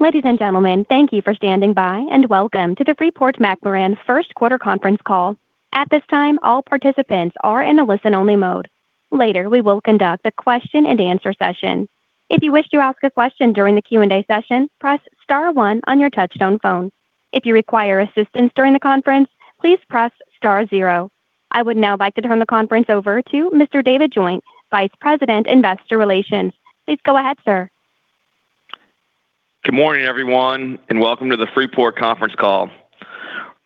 Ladies and gentlemen, thank you for standing by, and welcome to the Freeport-McMoRan Q1 Conference Call. At this time, all participants are in a listen-only mode. Later, we will conduct a question and answer session. If you wish to ask a question during the Q&A session, press star one on your touch-tone phone. If you require assistance during the conference, please press star zero. I would now like to turn the conference over to Mr. David Joynt, Vice President, Investor Relations. Please go ahead, sir. Good morning, everyone, and welcome to the Freeport Conference Call.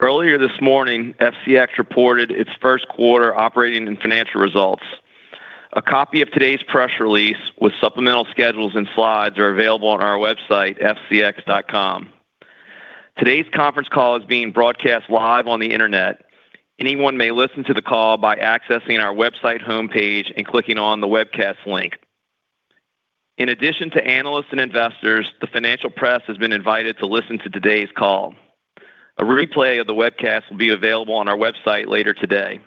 Earlier this morning, FCX reported its Q1 operating and financial results. A copy of today's press release with supplemental schedules and slides are available on our website, fcx.com. Today's conference call is being broadcast live on the internet. Anyone may listen to the call by accessing our website homepage and clicking on the webcast link. In addition to analysts and investors, the financial press has been invited to listen to today's call. A replay of the webcast will be available on our website later today.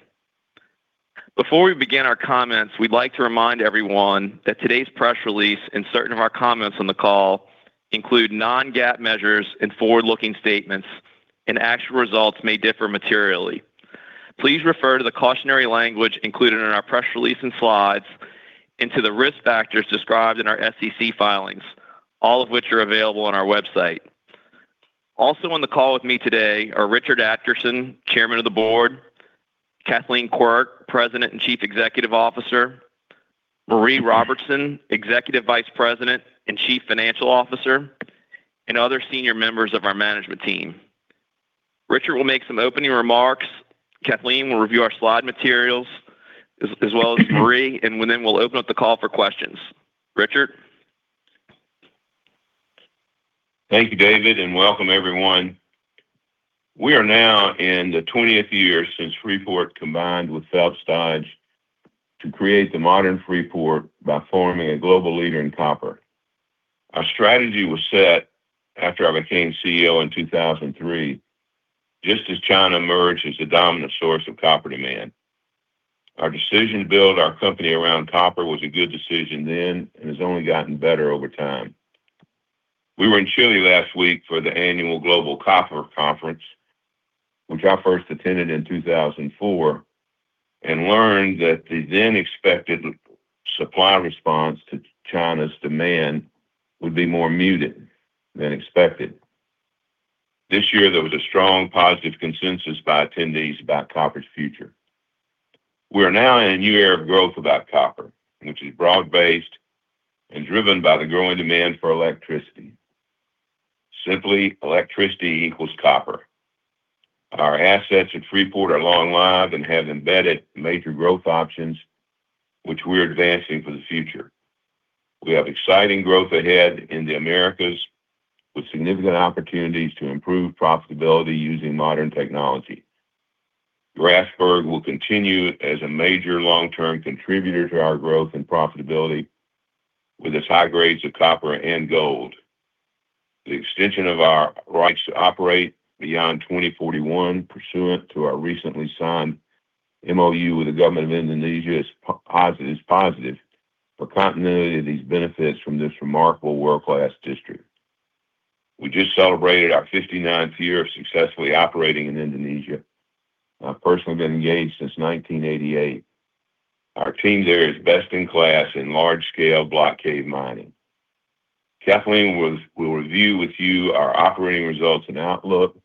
Before we begin our comments, we'd like to remind everyone that today's press release and certain of our comments on the call include non-GAAP measures and forward-looking statements, and actual results may differ materially. Please refer to the cautionary language included in our press release and slides and to the risk factors described in our SEC filings, all of which are available on our website. Also on the call with me today are Richard Adkerson, Chairman of the Board, Kathleen Quirk, President and Chief Executive Officer, Maree Robertson, Executive Vice President and Chief Financial Officer, and other senior members of our management team. Richard will make some opening remarks, Kathleen will review our slide materials, as well as Maree, and then we'll open up the call for questions. Richard? Thank you, David Joynt, and welcome everyone. We are now in the 20th year since Freeport combined with Phelps Dodge to create the modern Freeport by forming a global leader in copper. Our strategy was set after I became CEO in 2003, just as China emerged as the dominant source of copper demand. Our decision to build our company around copper was a good decision then and has only gotten better over time. We were in Chile last week for the annual Global Copper Conference, which I first attended in 2004 and learned that the then expected supply response to China's demand would be more muted than expected. This year, there was a strong positive consensus by attendees about copper's future. We are now in a new era of growth about copper, which is broad-based and driven by the growing demand for electricity. Simply, electricity equals copper. Our assets at Freeport are long lived and have embedded major growth options, which we are advancing for the future. We have exciting growth ahead in the Americas with significant opportunities to improve profitability using modern technology. Grasberg will continue as a major long-term contributor to our growth and profitability with its high grades of copper and gold. The extension of our rights to operate beyond 2041, pursuant to our recently signed MoU with the government of Indonesia, is positive for continuity of these benefits from this remarkable world-class district. We just celebrated our 59th year of successfully operating in Indonesia. I've personally been engaged since 1988. Our team there is best in class in large-scale block cave mining. Kathleen will review with you our operating results and outlook,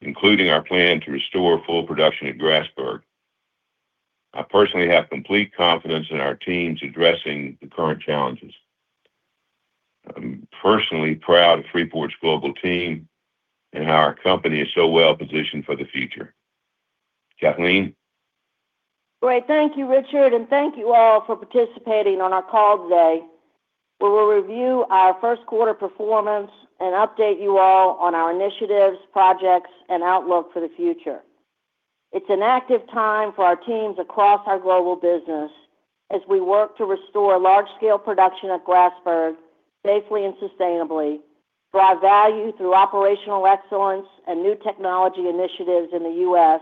including our plan to restore full production at Grasberg. I personally have complete confidence in our teams addressing the current challenges. I'm personally proud of Freeport's global team and how our company is so well positioned for the future. Kathleen? Great. Thank you, Richard, and thank you all for participating on our call today. We will review our Q1 performance and update you all on our initiatives, projects, and outlook for the future. It's an active time for our teams across our global business as we work to restore large-scale production at Grasberg safely and sustainably, drive value through operational excellence and new technology initiatives in the U.S.,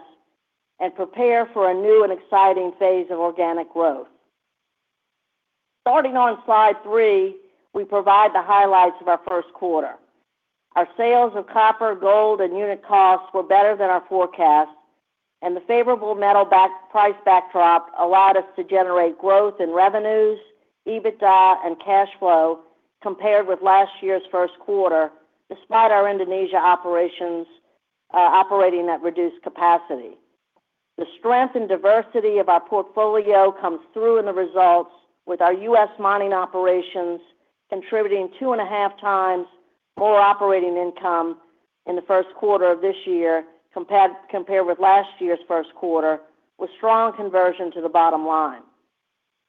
and prepare for a new and exciting phase of organic growth. Starting on slide three, we provide the highlights of our Q1. Our sales of copper, gold, and unit costs were better than our forecast, and the favorable metal price backdrop allowed us to generate growth in revenues, EBITDA, and cash flow compared with last year's Q1, despite our Indonesia operations operating at reduced capacity. The strength and diversity of our portfolio comes through in the results with our U.S. mining operations contributing 2.5x more operating income in the Q1 of this year compared with last year's Q1, with strong conversion to the bottom line.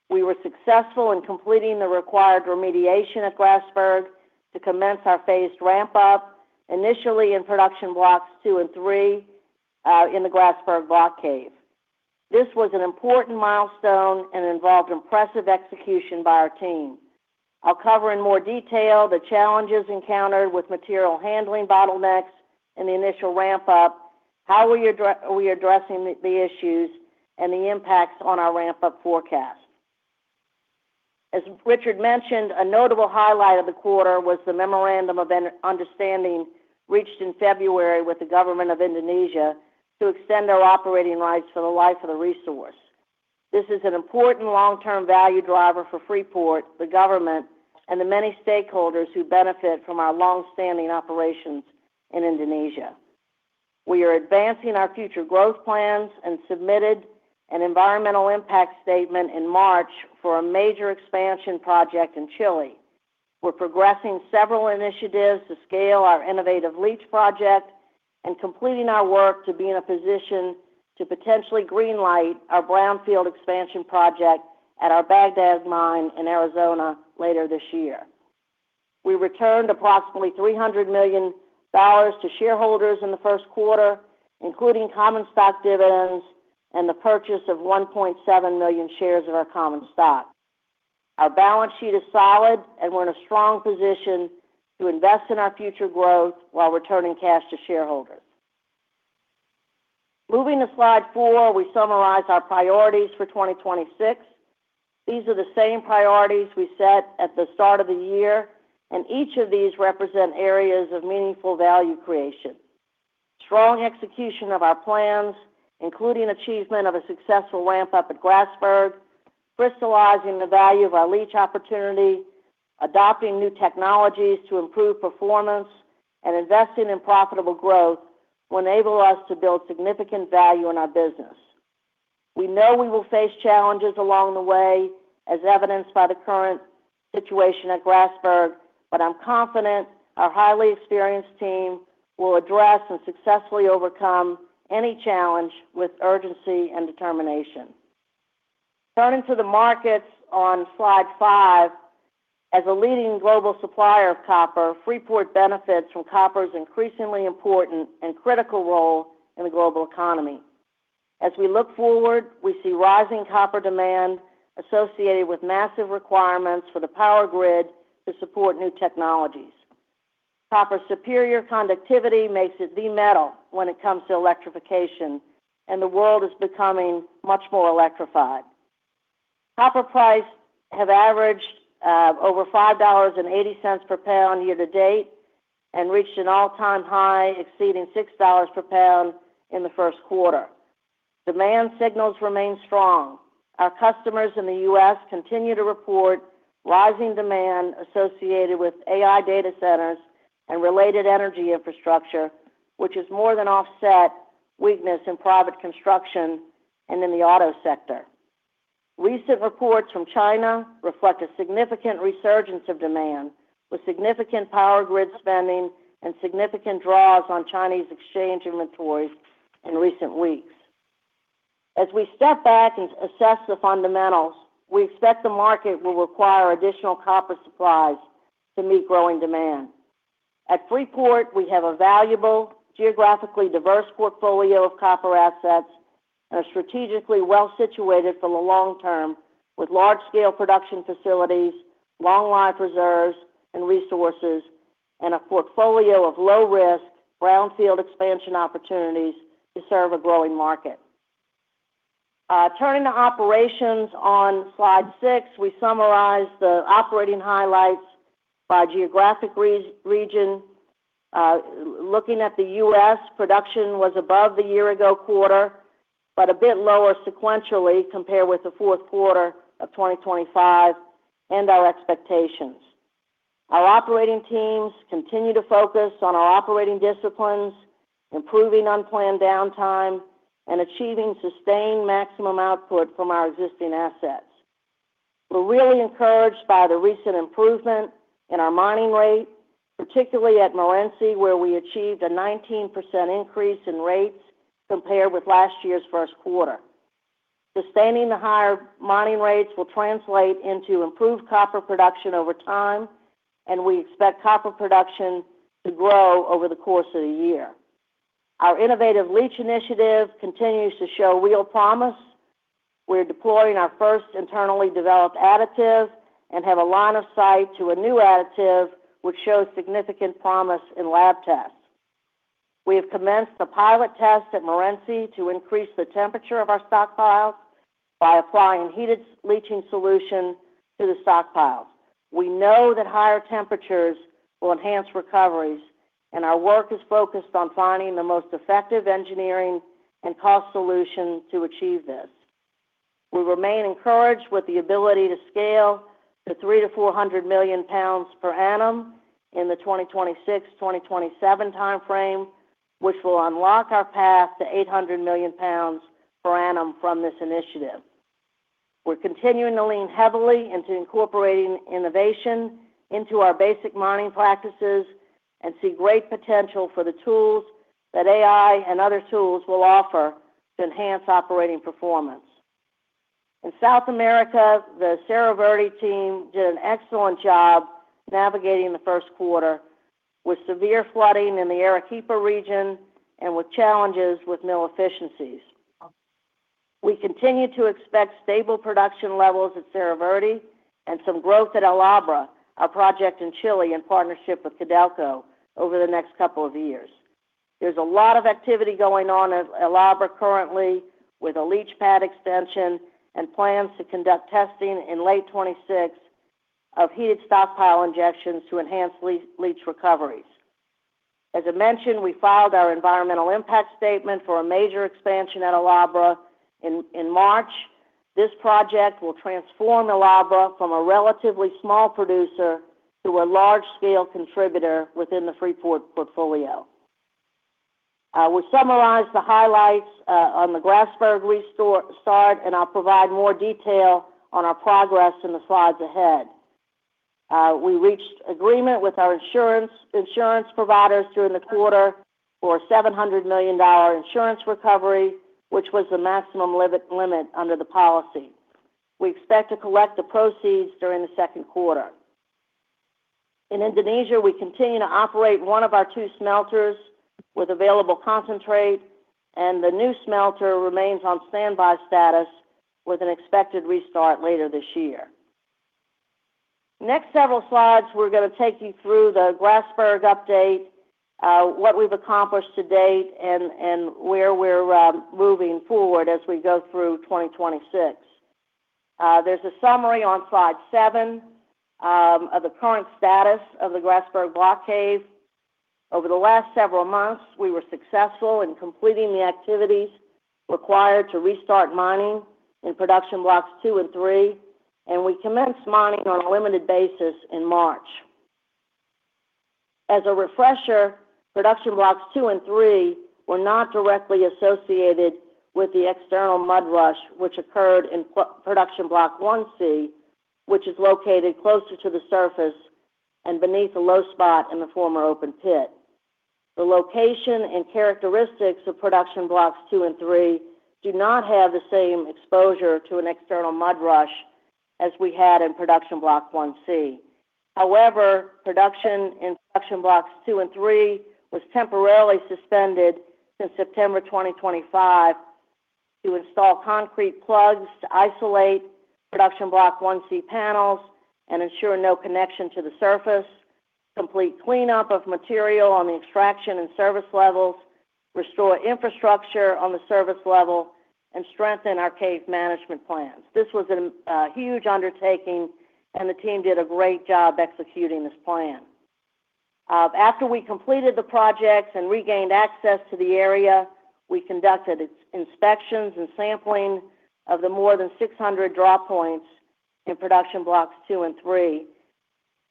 We were successful in completing the required remediation at Grasberg to commence our phased ramp-up, initially in production blocks two and three in the Grasberg Block Cave. This was an important milestone and involved impressive execution by our team. I'll cover in more detail the challenges encountered with material handling bottlenecks in the initial ramp-up, how we are addressing the issues, and the impacts on our ramp-up forecast. As Richard mentioned, a notable highlight of the quarter was the memorandum of understanding reached in February with the government of Indonesia to extend our operating rights for the life of the resource. This is an important long-term value driver for Freeport, the government, and the many stakeholders who benefit from our longstanding operations in Indonesia. We are advancing our future growth plans and submitted an environmental impact statement in March for a major expansion project in Chile. We're progressing several initiatives to scale our innovative leach project and completing our work to be in a position to potentially green-light our brownfield expansion project at our Bagdad Mine in Arizona later this year. We returned approximately $300 million to shareholders in the Q1, including common stock dividends and the purchase of 1.7 million shares of our common stock. Our balance sheet is solid, and we're in a strong position to invest in our future growth while returning cash to shareholders. Moving to slide four, we summarize our priorities for 2026. These are the same priorities we set at the start of the year, and each of these represent areas of meaningful value creation. Strong execution of our plans, including achievement of a successful ramp-up at Grasberg, crystallizing the value of our leach opportunity, adopting new technologies to improve performance, and investing in profitable growth will enable us to build significant value in our business. We know we will face challenges along the way, as evidenced by the current situation at Grasberg, but I'm confident our highly experienced team will address and successfully overcome any challenge with urgency and determination. Turning to the markets on Slide five, as a leading global supplier of copper, Freeport benefits from copper's increasingly important and critical role in the global economy. As we look forward, we see rising copper demand associated with massive requirements for the power grid to support new technologies. Copper's superior conductivity makes it the metal when it comes to electrification, and the world is becoming much more electrified. Copper prices have averaged over $5.80 per pound year to date and reached an all-time high exceeding $6 per pound in the Q1. Demand signals remain strong. Our customers in the U.S. continue to report rising demand associated with AI data centers and related energy infrastructure, which has more than offset weakness in private construction and in the auto sector. Recent reports from China reflect a significant resurgence of demand, with significant power grid spending and significant draws on Chinese exchange inventories in recent weeks. As we step back and assess the fundamentals, we expect the market will require additional copper supplies to meet growing demand. At Freeport, we have a valuable, geographically diverse portfolio of copper assets and are strategically well situated for the long term, with large-scale production facilities, long life reserves and resources, and a portfolio of low risk, brownfield expansion opportunities to serve a growing market. Turning to operations on Slide six, we summarize the operating highlights by geographic region. Looking at the U.S., production was above the year ago quarter, but a bit lower sequentially compared with the Q4 of 2025 and our expectations. Our operating teams continue to focus on our operating disciplines, improving unplanned downtime, and achieving sustained maximum output from our existing assets. We're really encouraged by the recent improvement in our mining rate, particularly at Morenci, where we achieved a 19% increase in rates compared with last year's Q1. Sustaining the higher mining rates will translate into improved copper production over time, and we expect copper production to grow over the course of the year. Our innovative leach initiative continues to show real promise. We're deploying our first internally developed additive and have a line of sight to a new additive which shows significant promise in lab tests. We have commenced the pilot test at Morenci to increase the temperature of our stockpiles by applying heated leaching solution to the stockpiles. We know that higher temperatures will enhance recoveries, and our work is focused on finding the most effective engineering and cost solution to achieve this. We remain encouraged with the ability to scale to 300-400 million pounds per annum in the 2026-2027 time frame, which will unlock our path to 800 million pounds per annum from this initiative. We're continuing to lean heavily into incorporating innovation into our basic mining practices and see great potential for the tools that AI and other tools will offer to enhance operating performance. In South America, the Cerro Verde team did an excellent job navigating the Q1 with severe flooding in the Arequipa region and with challenges with mill efficiencies. We continue to expect stable production levels at Cerro Verde and some growth at El Abra, our project in Chile, in partnership with Codelco over the next couple of years. There's a lot of activity going on at El Abra currently with a leach pad extension and plans to conduct testing in late 2026 of heated stockpile injections to enhance leach recoveries. As I mentioned, we filed our environmental impact statement for a major expansion at El Abra in March. This project will transform El Abra from a relatively small producer to a large-scale contributor within the Freeport portfolio. We summarized the highlights on the Grasberg restart, and I'll provide more detail on our progress in the slides ahead. We reached agreement with our insurance providers during the quarter for a $700 million insurance recovery, which was the maximum limit under the policy. We expect to collect the proceeds during the Q2. In Indonesia, we continue to operate one of our two smelters with available concentrate, and the new smelter remains on standby status with an expected restart later this year. Next several slides, we're going to take you through the Grasberg update, what we've accomplished to date, and where we're moving forward as we go through 2026. There's a summary on slide seven of the current status of the Grasberg Block Cave. Over the last several months, we were successful in completing the activities required to restart mining in production blocks 2 and 3, and we commenced mining on a limited basis in March. As a refresher, production blocks 2 and 3 were not directly associated with the external mud rush which occurred in production block 1C, which is located closer to the surface and beneath a low spot in the former open pit. The location and characteristics of production blocks 2 and 3 do not have the same exposure to an external mud rush as we had in production block 1C. However, production in Blocks 2 and 3 was temporarily suspended since September 2025 to install concrete plugs to isolate Production Block 1C panels and ensure no connection to the surface, complete cleanup of material on the extraction and service levels, restore infrastructure on the service level, and strengthen our cave management plans. This was a huge undertaking, and the team did a great job executing this plan. After we completed the projects and regained access to the area, we conducted inspections and sampling of the more than 600 drop points in production Blocks 2 and 3,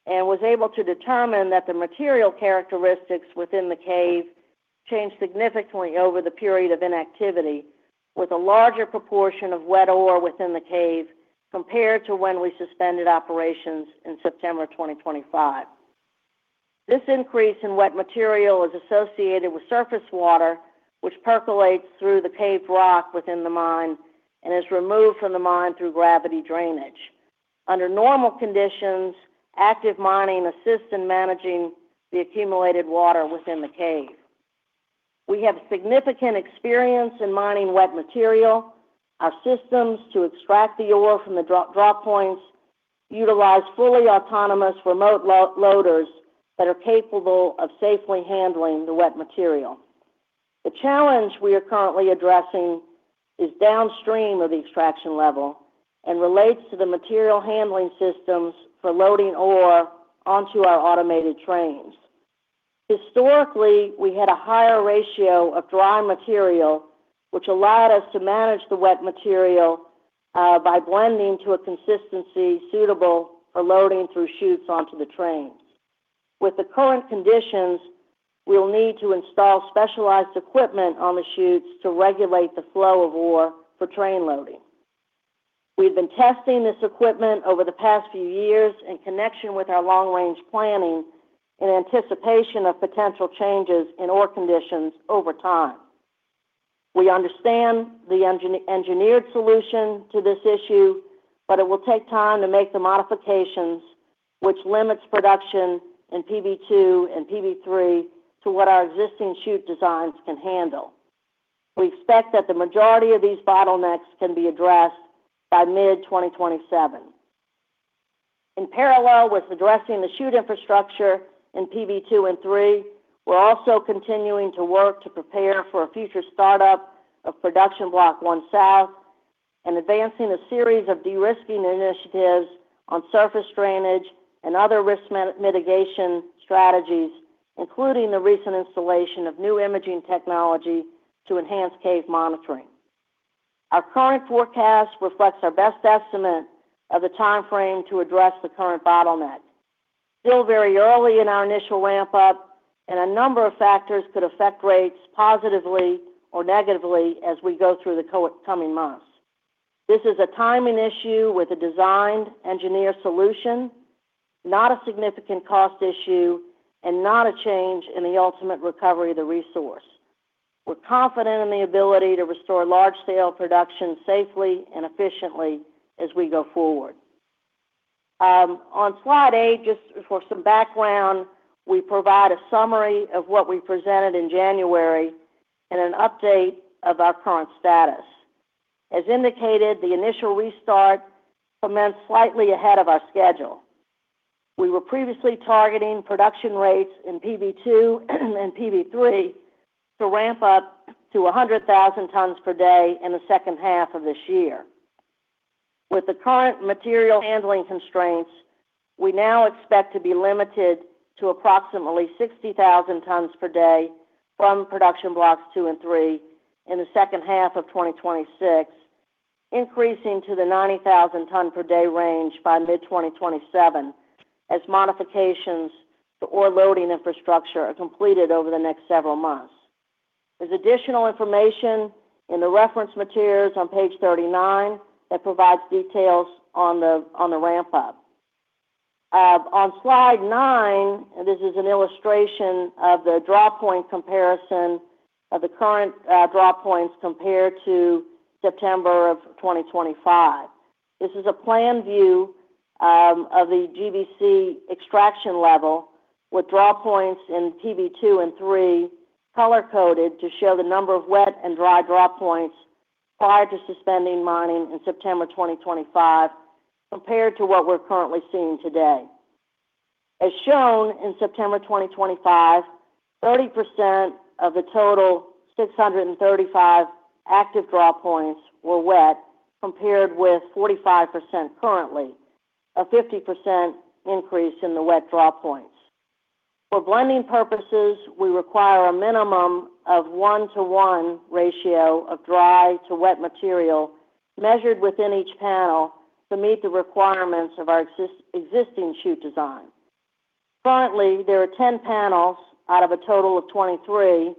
and was able to determine that the material characteristics within the cave changed significantly over the period of inactivity, with a larger proportion of wet ore within the cave compared to when we suspended operations in September 2025. This increase in wet material is associated with surface water, which percolates through the cave rock within the mine and is removed from the mine through gravity drainage. Under normal conditions, active mining assists in managing the accumulated water within the cave. We have significant experience in mining wet material. Our systems to extract the ore from the drop points utilize fully autonomous remote loaders that are capable of safely handling the wet material. The challenge we are currently addressing is downstream of the extraction level and relates to the material handling systems for loading ore onto our automated trains. Historically, we had a higher ratio of dry material, which allowed us to manage the wet material by blending to a consistency suitable for loading through chutes onto the trains. With the current conditions, we will need to install specialized equipment on the chutes to regulate the flow of ore for train loading. We've been testing this equipment over the past few years in connection with our long-range planning in anticipation of potential changes in ore conditions over time. We understand the engineered solution to this issue, but it will take time to make the modifications, which limits production in PB2 and PB3 to what our existing chute designs can handle. We expect that the majority of these bottlenecks can be addressed by mid-2027. In parallel with addressing the chute infrastructure in PB2 and PB3, we're also continuing to work to prepare for a future start-up of production block one south and advancing a series of de-risking initiatives on surface drainage and other risk mitigation strategies, including the recent installation of new imaging technology to enhance cave monitoring. Our current forecast reflects our best estimate of the time frame to address the current bottleneck. Still very early in our initial ramp up, and a number of factors could affect rates positively or negatively as we go through the coming months. This is a timing issue with a designed engineering solution, not a significant cost issue, and not a change in the ultimate recovery of the resource. We're confident in the ability to restore large-scale production safely and efficiently as we go forward. On slide eight, just for some background, we provide a summary of what we presented in January and an update of our current status. As indicated, the initial restart commenced slightly ahead of our schedule. We were previously targeting production rates in PB2 and PB3 to ramp up to 100,000 tons per day in the H2 of this year. With the current material handling constraints, we now expect to be limited to approximately 60,000 tons per day from production blocks 2 and 3 in the H2 of 2026, increasing to the 90,000 tons per day range by mid-2027 as modifications to ore loading infrastructure are completed over the next several months. There's additional information in the reference materials on page 39 that provides details on the ramp-up. On slide nine, this is an illustration of the draw point comparison of the current draw points compared to September of 2025. This is a plan view of the GBC extraction level with draw points in PB2 and PB3 color-coded to show the number of wet and dry draw points prior to suspending mining in September 2025, compared to what we're currently seeing today. As shown in September 2025, 30% of the total 635 active draw points were wet, compared with 45% currently, a 50% increase in the wet draw points. For blending purposes, we require a minimum of 1:1 ratio of dry to wet material measured within each panel to meet the requirements of our existing chute design. Currently, there are 10 panels out of a total of 23,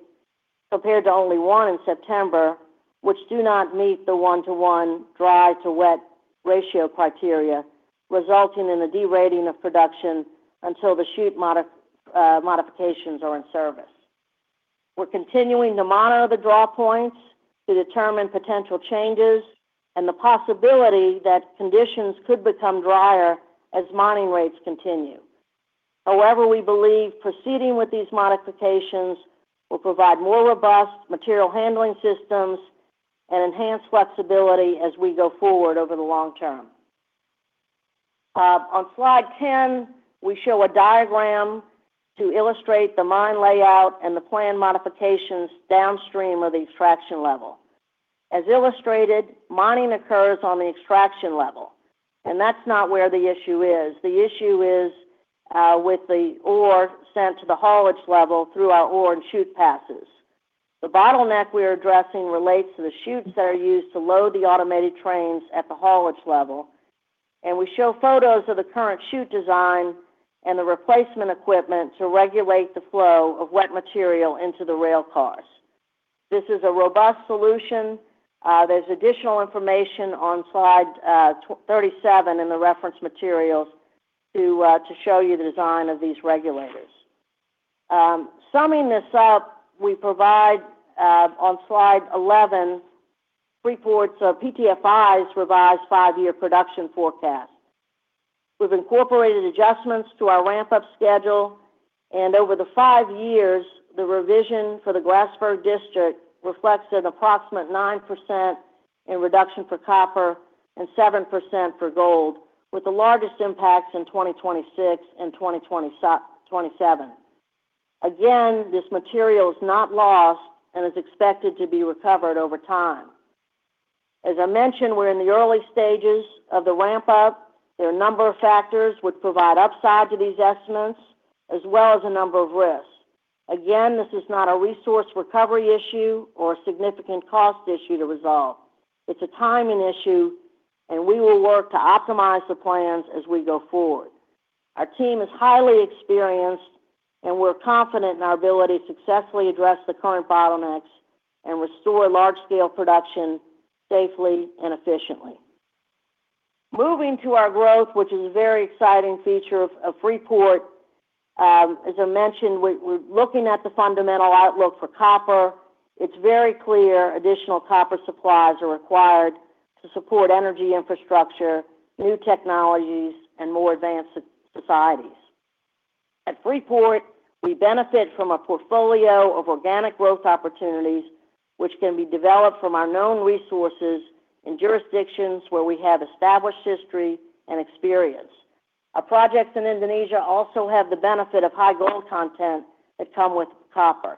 compared to only one in September, which do not meet the 1:1 dry to wet ratio criteria, resulting in a de-rating of production until the chute modifications are in service. We're continuing to monitor the draw points to determine potential changes and the possibility that conditions could become drier as mining rates continue. However, we believe proceeding with these modifications will provide more robust material handling systems and enhance flexibility as we go forward over the long term. On slide 10, we show a diagram to illustrate the mine layout and the plan modifications downstream of the extraction level. As illustrated, mining occurs on the extraction level, and that's not where the issue is. The issue is with the ore sent to the haulage level through our ore and chute passes. The bottleneck we're addressing relates to the chutes that are used to load the automated trains at the haulage level, and we show photos of the current chute design and the replacement equipment to regulate the flow of wet material into the rail cars. This is a robust solution. There's additional information on slide 37 in the reference materials to show you the design of these regulators. Summing this up, we provide, on slide 11, Freeport-McMoRan’s PTFI’s revised five-year production forecast. We've incorporated adjustments to our ramp-up schedule, and over the five years, the revision for the Grasberg District reflects an approximate 9% reduction for copper and 7% for gold, with the largest impacts in 2026 and 2027. Again, this material is not lost and is expected to be recovered over time. As I mentioned, we're in the early stages of the ramp-up. There are a number of factors which provide upside to these estimates, as well as a number of risks. Again, this is not a resource recovery issue or a significant cost issue to resolve. It's a timing issue, and we will work to optimize the plans as we go forward. Our team is highly experienced, and we're confident in our ability to successfully address the current bottlenecks and restore large-scale production safely and efficiently. Moving to our growth, which is a very exciting feature of Freeport. As I mentioned, we're looking at the fundamental outlook for copper. It's very clear additional copper supplies are required to support energy infrastructure, new technologies, and more advanced societies. At Freeport, we benefit from a portfolio of organic growth opportunities which can be developed from our known resources in jurisdictions where we have established history and experience. Our projects in Indonesia also have the benefit of high gold content that come with copper.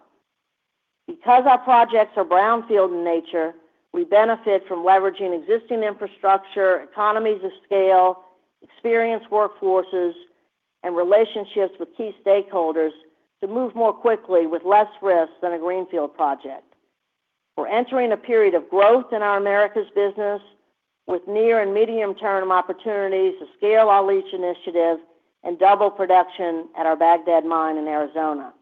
Because our projects are brownfield in nature, we benefit from leveraging existing infrastructure, economies of scale, experienced workforces, and relationships with key stakeholders to move more quickly with less risk than a greenfield project. We're entering a period of growth in our Americas business with near and medium-term opportunities to scale our leach initiative and double production at our Bagdad mine in Arizona.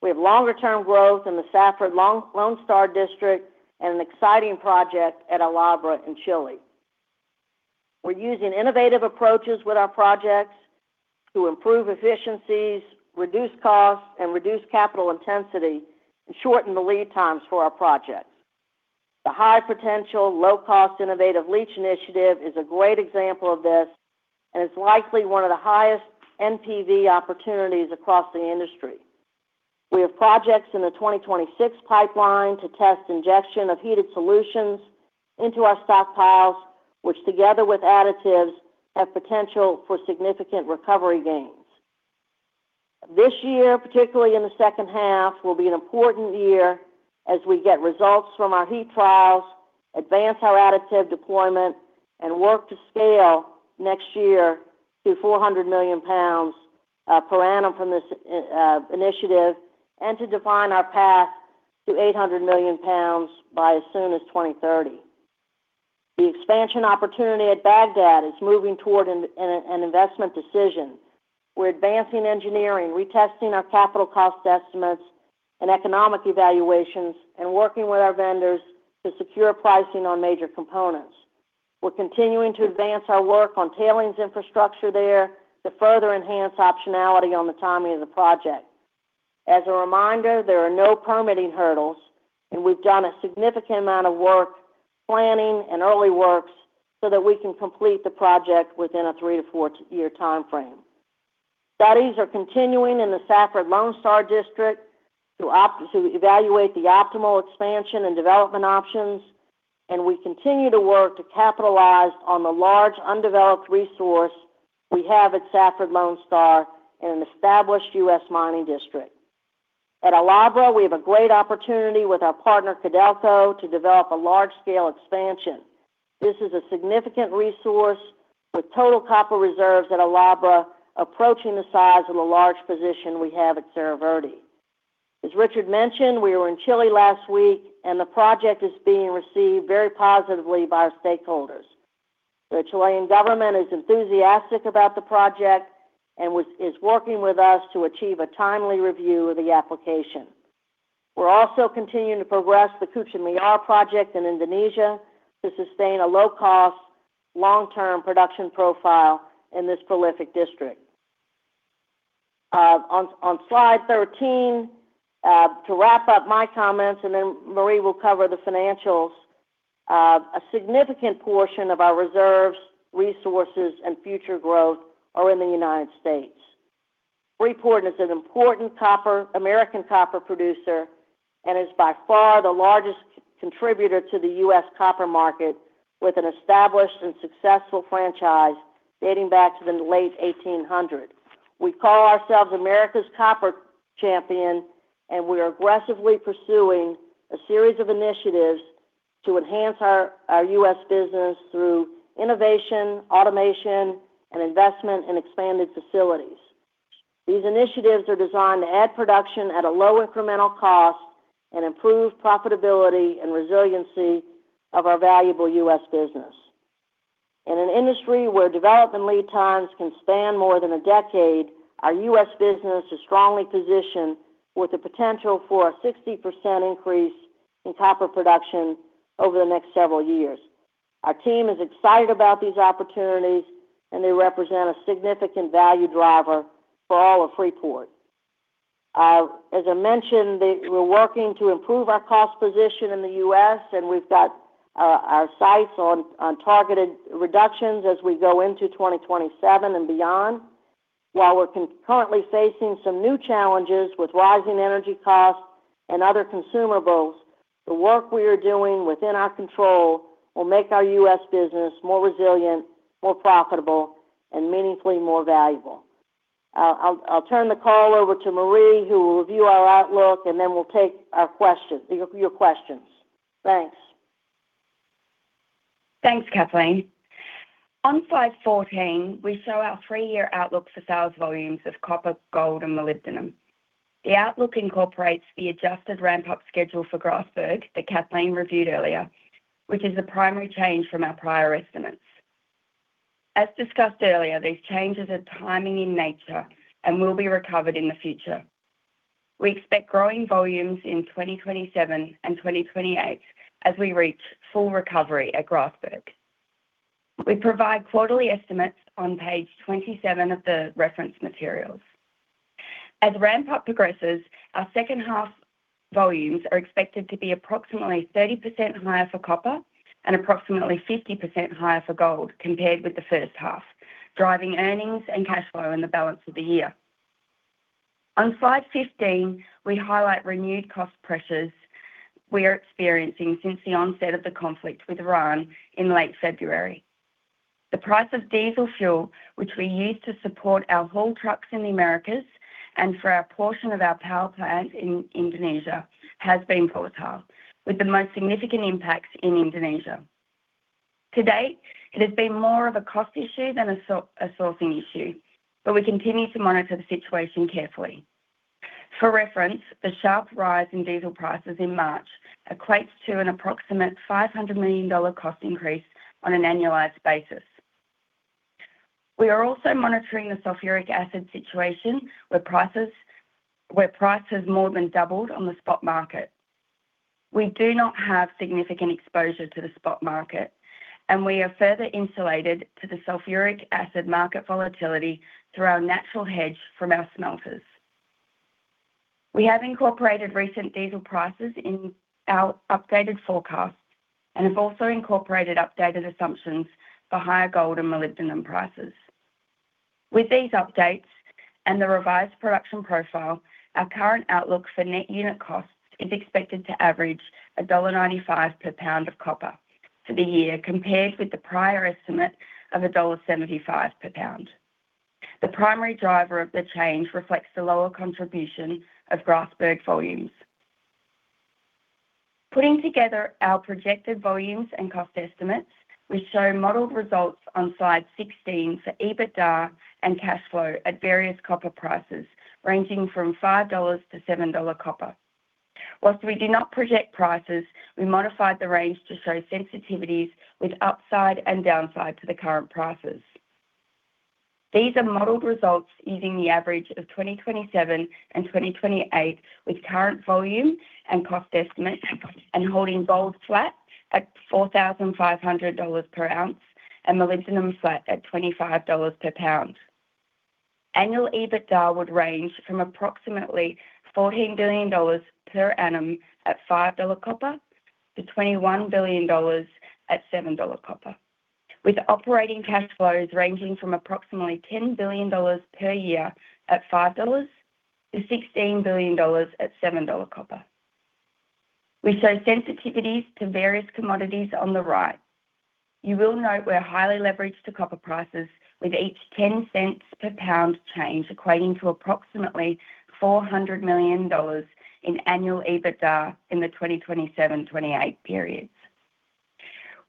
We have longer-term growth in the Safford Lone Star District and an exciting project at El Abra in Chile. We're using innovative approaches with our projects to improve efficiencies, reduce costs, and reduce capital intensity, and shorten the lead times for our projects. The high-potential, low-cost innovative leach initiative is a great example of this and is likely one of the highest NPV opportunities across the industry. We have projects in the 2026 pipeline to test injection of heated solutions into our stockpiles, which together with additives, have potential for significant recovery gains. This year, particularly in the H2, will be an important year as we get results from our heat trials, advance our additive deployment, and work to scale next year to 400 million pounds per annum from this initiative, and to define our path to 800 million pounds by as soon as 2030. The expansion opportunity at Bagdad is moving toward an investment decision. We're advancing engineering, retesting our capital cost estimates and economic evaluations, and working with our vendors to secure pricing on major components. We're continuing to advance our work on tailings infrastructure there to further enhance optionality on the timing of the project. As a reminder, there are no permitting hurdles, and we've done a significant amount of work planning and early works so that we can complete the project within a three-four year time frame. Studies are continuing in the Safford-Lone Star district to evaluate the optimal expansion and development options, and we continue to work to capitalize on the large undeveloped resource we have at Safford-Lone Star in an established U.S. mining district. At El Abra, we have a great opportunity with our partner, Codelco, to develop a large scale expansion. This is a significant resource with total copper reserves at El Abra approaching the size of the large position we have at Cerro Verde. As Richard Adkerson mentioned, we were in Chile last week and the project is being received very positively by our stakeholders. The Chilean government is enthusiastic about the project and is working with us to achieve a timely review of the application. We're also continuing to progress the Kucing Liar project in Indonesia to sustain a low-cost, long-term production profile in this prolific district. On slide 13, to wrap up my comments and then Maree will cover the financials. A significant portion of our reserves, resources, and future growth are in the United States. Freeport is an important American copper producer and is by far the largest contributor to the U.S. copper market, with an established and successful franchise dating back to the late 1800s. We call ourselves America's copper champion, and we are aggressively pursuing a series of initiatives to enhance our U.S. business through innovation, automation, and investment in expanded facilities. These initiatives are designed to add production at a low incremental cost and improve profitability and resiliency of our valuable U.S. business. In an industry where development lead times can span more than a decade, our U.S. business is strongly positioned with the potential for a 60% increase in copper production over the next several years. Our team is excited about these opportunities, and they represent a significant value driver for all of Freeport. As I mentioned, we're working to improve our cost position in the U.S., and we've got our sights on targeted reductions as we go into 2027 and beyond. While we're concurrently facing some new challenges with rising energy costs and other consumables, the work we are doing within our control will make our U.S. business more resilient, more profitable, and meaningfully more valuable. I'll turn the call over to Maree, who will review our outlook, and then we'll take your questions. Thanks. Thanks, Kathleen. On slide 14, we show our three-year outlook for sales volumes of copper, gold, and molybdenum. The outlook incorporates the adjusted ramp-up schedule for Grasberg that Kathleen reviewed earlier, which is the primary change from our prior estimates. As discussed earlier, these changes are timing in nature and will be recovered in the future. We expect growing volumes in 2027 and 2028 as we reach full recovery at Grasberg. We provide quarterly estimates on page 27 of the reference materials. As ramp-up progresses, our H2 volumes are expected to be approximately 30% higher for copper and approximately 50% higher for gold compared with the first half, driving earnings and cash flow in the balance of the year. On slide 15, we highlight renewed cost pressures we are experiencing since the onset of the conflict with Iran in late February. The price of diesel fuel, which we use to support our haul trucks in the Americas and for a portion of our power plant in Indonesia, has been volatile, with the most significant impacts in Indonesia. To date, it has been more of a cost issue than a sourcing issue, but we continue to monitor the situation carefully. For reference, the sharp rise in diesel prices in March equates to an approximate $500 million cost increase on an annualized basis. We are also monitoring the sulfuric acid situation, where price has more than doubled on the spot market. We do not have significant exposure to the spot market, and we are further insulated to the sulfuric acid market volatility through our natural hedge from our smelters. We have incorporated recent diesel prices in our updated forecast and have also incorporated updated assumptions for higher gold and molybdenum prices. With these updates and the revised production profile, our current outlook for net unit costs is expected to average $1.95 per pound of copper for the year, compared with the prior estimate of $1.75 per pound. The primary driver of the change reflects the lower contribution of Grasberg volumes. Putting together our projected volumes and cost estimates, we show modeled results on slide 16 for EBITDA and cash flow at various copper prices ranging from $5-$7 copper. While we do not project prices, we modified the range to show sensitivities with upside and downside to the current prices. These are modeled results using the average of 2027 and 2028, with current volume and cost estimates and holding gold flat at $4,500 per ounce and molybdenum flat at $25 per pound. Annual EBITDA would range from approximately $14 billion-$21 billion per annum at $5 copper to $7 copper, with operating cash flows ranging from approximately $10 billion-$16 billion per year at $5 to $7 copper. We show sensitivities to various commodities on the right. You will note we're highly leveraged to copper prices with each $0.10 per pound change equating to approximately $400 million in annual EBITDA in the 2027-28 periods.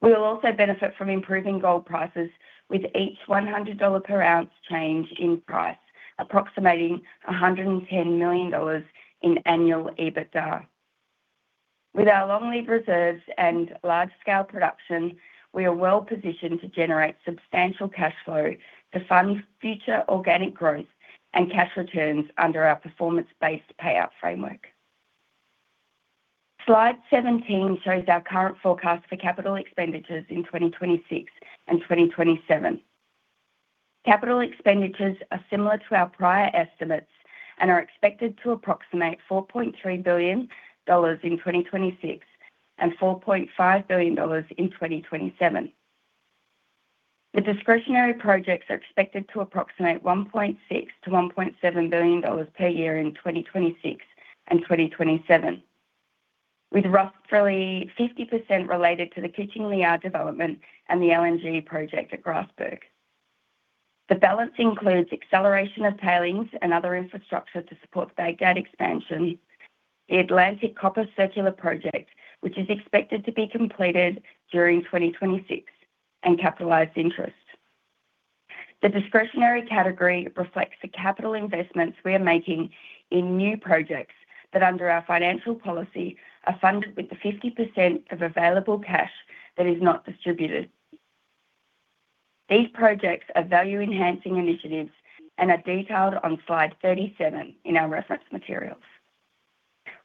We will also benefit from improving gold prices with each $100 per ounce change in price approximating $110 million in annual EBITDA. With our long-lived reserves and large-scale production, we are well-positioned to generate substantial cash flow to fund future organic growth and cash returns under our performance-based payout framework. Slide 17 shows our current forecast for capital expenditures in 2026 and 2027. Capital expenditures are similar to our prior estimates and are expected to approximate $4.3 billion in 2026 and $4.5 billion in 2027. The discretionary projects are expected to approximate $1.6-$1.7 billion per year in 2026 and 2027, with roughly 50% related to the Kucing Liar development and the LNG project at Grasberg. The balance includes acceleration of tailings and other infrastructure to support Bagdad expansion, the Atlantic Copper Circular project, which is expected to be completed during 2026, and capitalized interest. The discretionary category reflects the capital investments we are making in new projects that, under our financial policy, are funded with the 50% of available cash that is not distributed. These projects are value-enhancing initiatives and are detailed on slide 37 in our reference materials.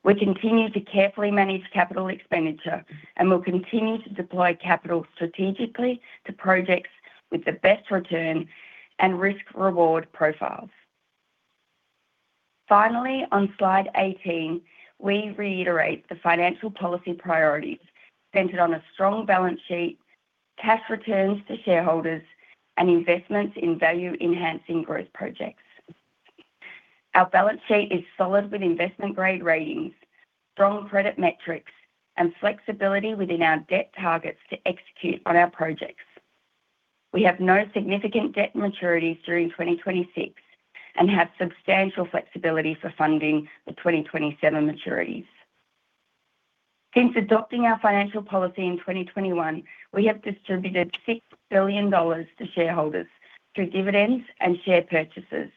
We continue to carefully manage capital expenditure and will continue to deploy capital strategically to projects with the best return and risk-reward profiles. Finally, on slide 18, we reiterate the financial policy priorities centered on a strong balance sheet, cash returns to shareholders, and investments in value-enhancing growth projects. Our balance sheet is solid with investment-grade ratings, strong credit metrics, and flexibility within our debt targets to execute on our projects. We have no significant debt maturities during 2026 and have substantial flexibility for funding the 2027 maturities. Since adopting our financial policy in 2021, we have distributed $6 billion to shareholders through dividends and share purchases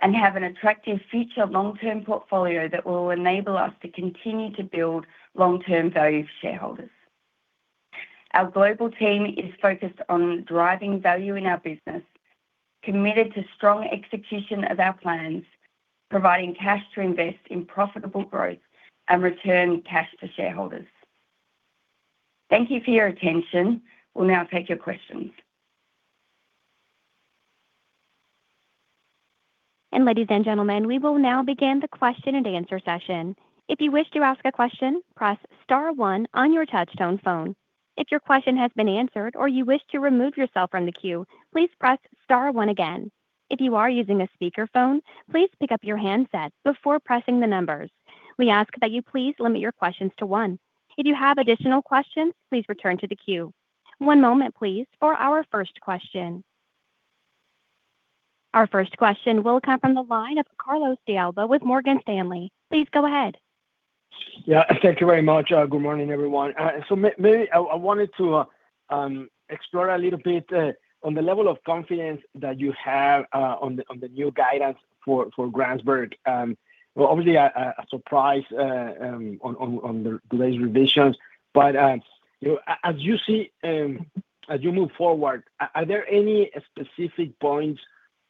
and have an attractive future long-term portfolio that will enable us to continue to build long-term value for shareholders. Our global team is focused on driving value in our business, committed to strong execution of our plans, providing cash to invest in profitable growth and return cash to shareholders. Thank you for your attention. We'll now take your questions. Ladies and gentlemen, we will now begin the question and answer session. If you wish to ask a question, press star one on your touchtone phone. If your question has been answered or you wish to remove yourself from the queue, please press star one again. If you are using a speakerphone, please pick up your handset before pressing the numbers. We ask that you please limit your questions to one. If you have additional questions, please return to the queue. One moment please for our first question. Our first question will come from the line of Carlos De Alba with Morgan Stanley. Please go ahead. Yeah. Thank you very much. Good morning, everyone. Maybe I wanted to explore a little bit on the level of confidence that you have on the new guidance for Grasberg. Well, obviously a surprise on the latest revisions. As you see, as you move forward, are there any specific points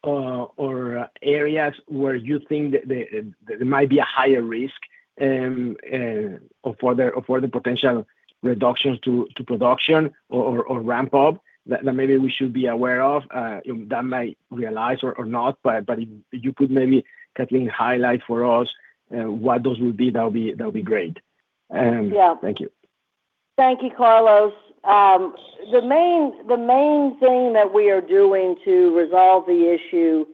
or areas where you think that there might be a higher risk for the potential reductions to production or ramp up that maybe we should be aware of that might realize or not? If you could maybe, Kathleen, highlight for us what those would be, that'd be great. Yeah. Thank you. Thank you, Carlos. The main thing that we are doing to resolve the issue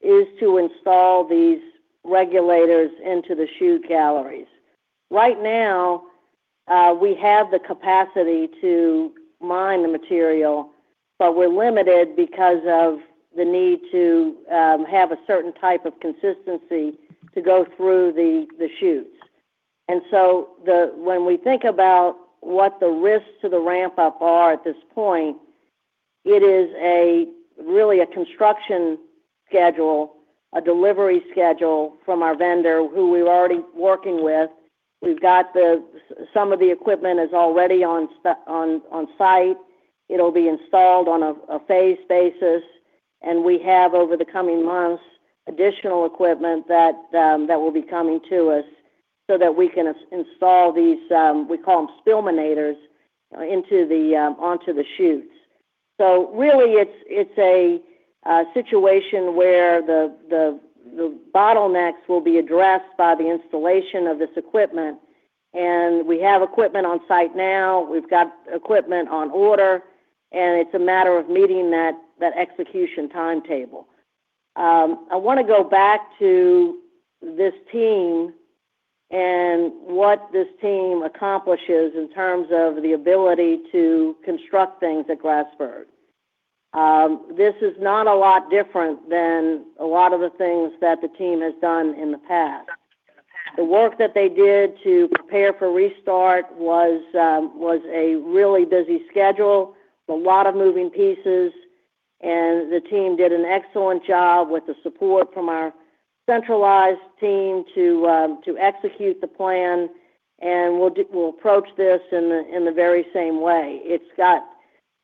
is to install these regulators into the chute galleries. Right now, we have the capacity to mine the material, but we're limited because of the need to have a certain type of consistency to go through the chutes. When we think about what the risks to the ramp-up are at this point, it is really a construction schedule, a delivery schedule from our vendor who we're already working with. Some of the equipment is already on site. It'll be installed on a phased basis. We have, over the coming months, additional equipment that will be coming to us so that we can install these, we call them Spillminators, onto the chutes. Really it's a situation where the bottlenecks will be addressed by the installation of this equipment, and we have equipment on site now. We've got equipment on order, and it's a matter of meeting that execution timetable. I want to go back to this team and what this team accomplishes in terms of the ability to construct things at Grasberg. This is not a lot different than a lot of the things that the team has done in the past. The work that they did to prepare for restart was a really busy schedule with a lot of moving pieces, and the team did an excellent job with the support from our centralized team to execute the plan, and we'll approach this in the very same way. It's got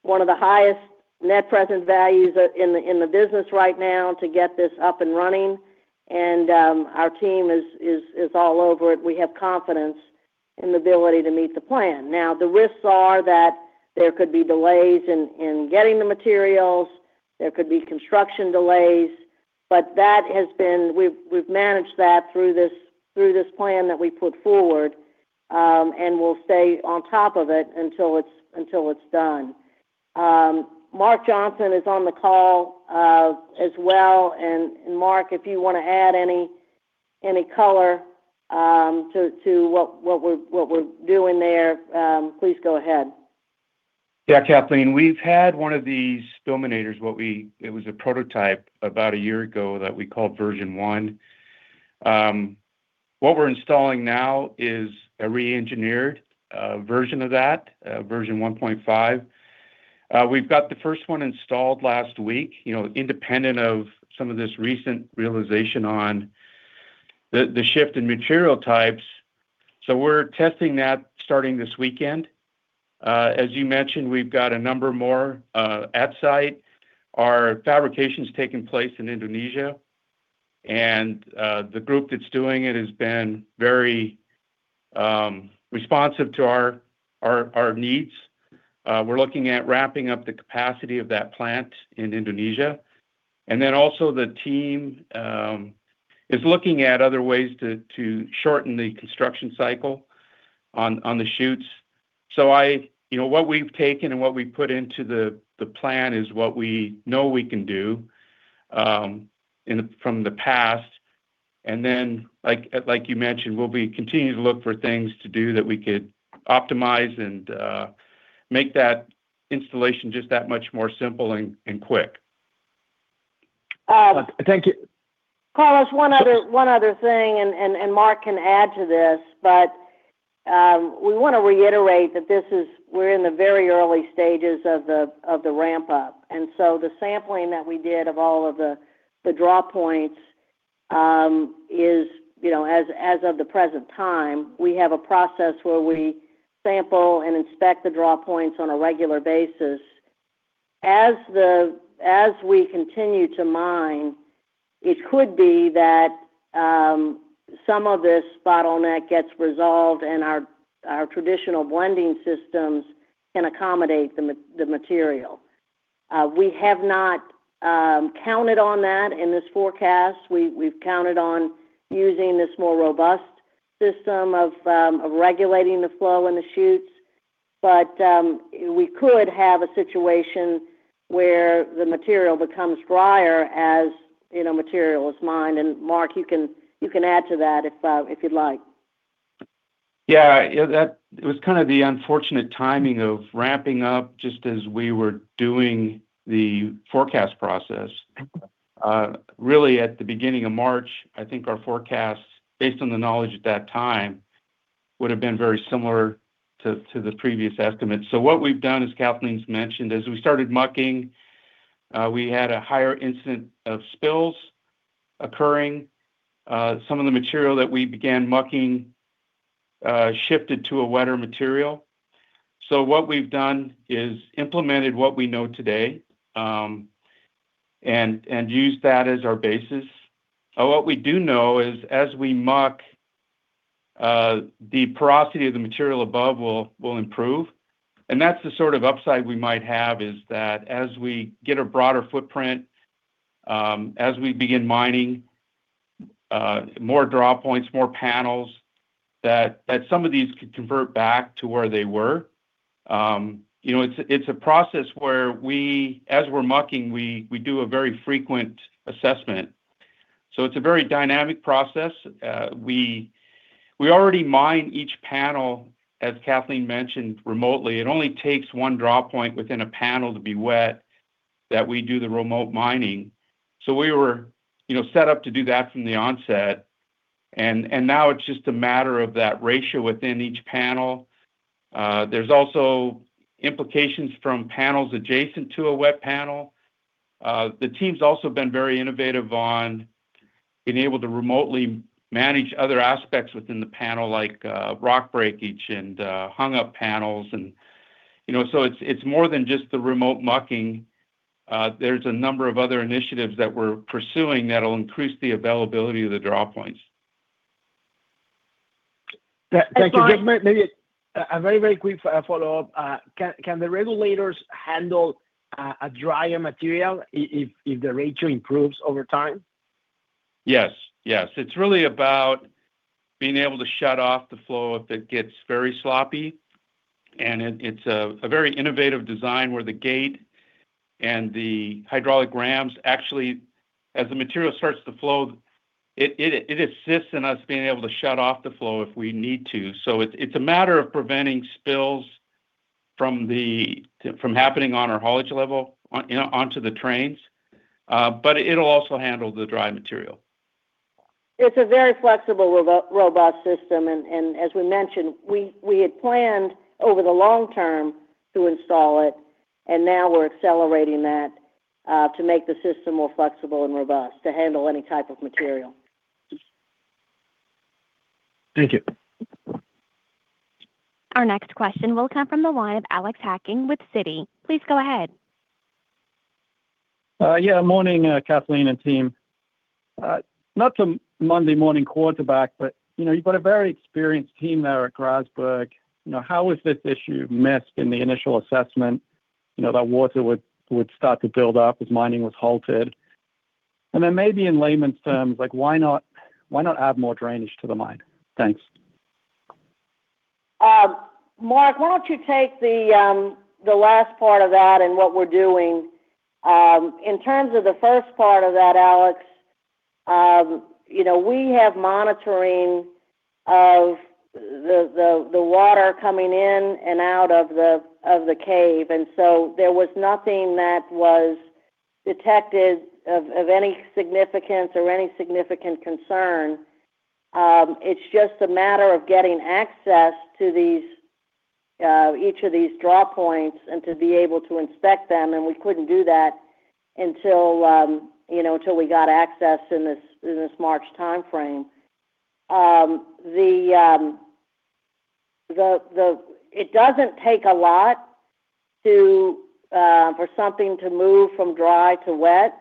one of the highest net present values in the business right now to get this up and running, and our team is all over it. We have confidence in the ability to meet the plan. Now, the risks are that there could be delays in getting the materials. There could be construction delays, but we've managed that through this plan that we put forward, and we'll stay on top of it until it's done. Mark Johnson is on the call as well, and Mark, if you want to add any color to what we're doing there, please go ahead. Yeah, Kathleen. We've had one of these spillmanators. It was a prototype about a year ago that we called version 1. What we're installing now is a re-engineered version of that, version 1.5. We've got the first one installed last week, independent of some of this recent realization on the shift in material types. We're testing that starting this weekend. As you mentioned, we've got a number more at site. Our fabrication's taking place in Indonesia, and the group that's doing it has been very responsive to our needs. We're looking at ramping up the capacity of that plant in Indonesia. Also the team is looking at other ways to shorten the construction cycle on the chutes. What we've taken and what we've put into the plan is what we know we can do from the past, and then, like you mentioned, we'll be continuing to look for things to do that we could optimize and make that installation just that much more simple and quick. Carlos, one other thing, and Mark can add to this, but we want to reiterate that we're in the very early stages of the ramp-up. The sampling that we did of all of the draw points is, as of the present time, we have a process where we sample and inspect the draw points on a regular basis. As we continue to mine, it could be that some of this bottleneck gets resolved and our traditional blending systems can accommodate the material. We have not counted on that in this forecast. We've counted on using this more robust system of regulating the flow in the chutes. We could have a situation where the material becomes drier as material is mined. Mark, you can add to that if you'd like. Yeah. It was kind of the unfortunate timing of ramping up just as we were doing the forecast process. Really at the beginning of March, I think our forecast, based on the knowledge at that time, would have been very similar to the previous estimate. What we've done, as Kathleen's mentioned, as we started mucking, we had a higher incidence of spills occurring. Some of the material that we began mucking shifted to a wetter material. What we've done is implemented what we know today, and used that as our basis. What we do know is as we muck, the porosity of the material above will improve. That's the sort of upside we might have is that as we get a broader footprint, as we begin mining more drawpoints, more panels that some of these could convert back to where they were. It's a process where as we're mucking, we do a very frequent assessment. It's a very dynamic process. We already mine each panel, as Kathleen mentioned, remotely. It only takes one drawpoint within a panel to be wet that we do the remote mining. We were set up to do that from the onset, and now it's just a matter of that ratio within each panel. There's also implications from panels adjacent to a wet panel. The team's also been very innovative on being able to remotely manage other aspects within the panel, like rock breakage and hung up panels. It's more than just the remote mucking. There's a number of other initiatives that we're pursuing that'll increase the availability of the drawpoints. Thank you. Mark- Maybe a very quick follow-up. Can the regulators handle a drier material if the ratio improves over time? Yes. It's really about being able to shut off the flow if it gets very sloppy. It's a very innovative design where the gate and the hydraulic rams actually, as the material starts to flow, it assists in us being able to shut off the flow if we need to. It's a matter of preventing spills from happening on our haulage level onto the trains, but it'll also handle the dry material. It's a very flexible, robust system. As we mentioned, we had planned over the long term to install it and now we're accelerating that, to make the system more flexible and robust to handle any type of material. Thank you. Our next question will come from the line of Alex Hacking with Citi. Please go ahead. Yeah. Morning, Kathleen Quirk and team. Not to Monday morning quarterback, but you've got a very experienced team there at Grasberg. How was this issue missed in the initial assessment, that water would start to build up as mining was halted? Maybe in layman's terms, why not add more drainage to the mine? Thanks. Mark, why don't you take the last part of that and what we're doing. In terms of the first part of that, Alex, we have monitoring of the water coming in and out of the cave. There was nothing that was detected of any significance or any significant concern. It's just a matter of getting access to each of these drawpoints and to be able to inspect them. We couldn't do that until we got access in this March timeframe. It doesn't take a lot for something to move from dry to wet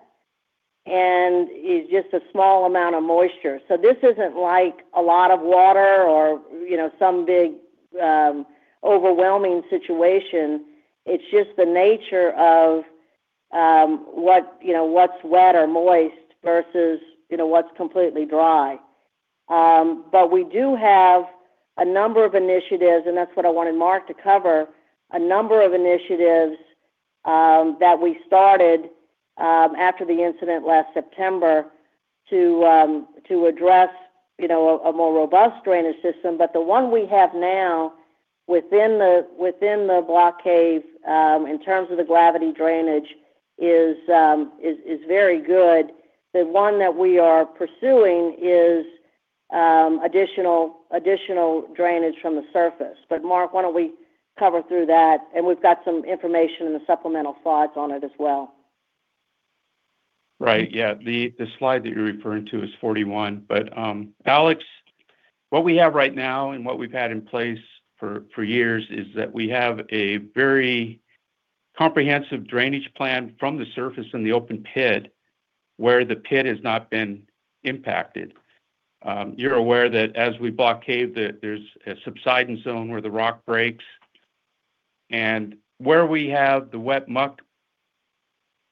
and it's just a small amount of moisture. This isn't like a lot of water or some big overwhelming situation. It's just the nature of what's wet or moist versus what's completely dry. We do have a number of initiatives, and that's what I wanted Mark to cover. A number of initiatives that we started after the incident last September to address a more robust drainage system. The one we have now within the block cave, in terms of the gravity drainage, is very good. The one that we are pursuing is additional drainage from the surface. Mark, why don't we cover through that, and we've got some information and the supplemental slides on it as well. Right. Yeah. The slide that you're referring to is 41. Alex Hacking, what we have right now and what we've had in place for years is that we have a very comprehensive drainage plan from the surface in the open pit where the pit has not been impacted. You're aware that as we block cave, that there's a subsidence zone where the rock breaks, and where we have the wet muck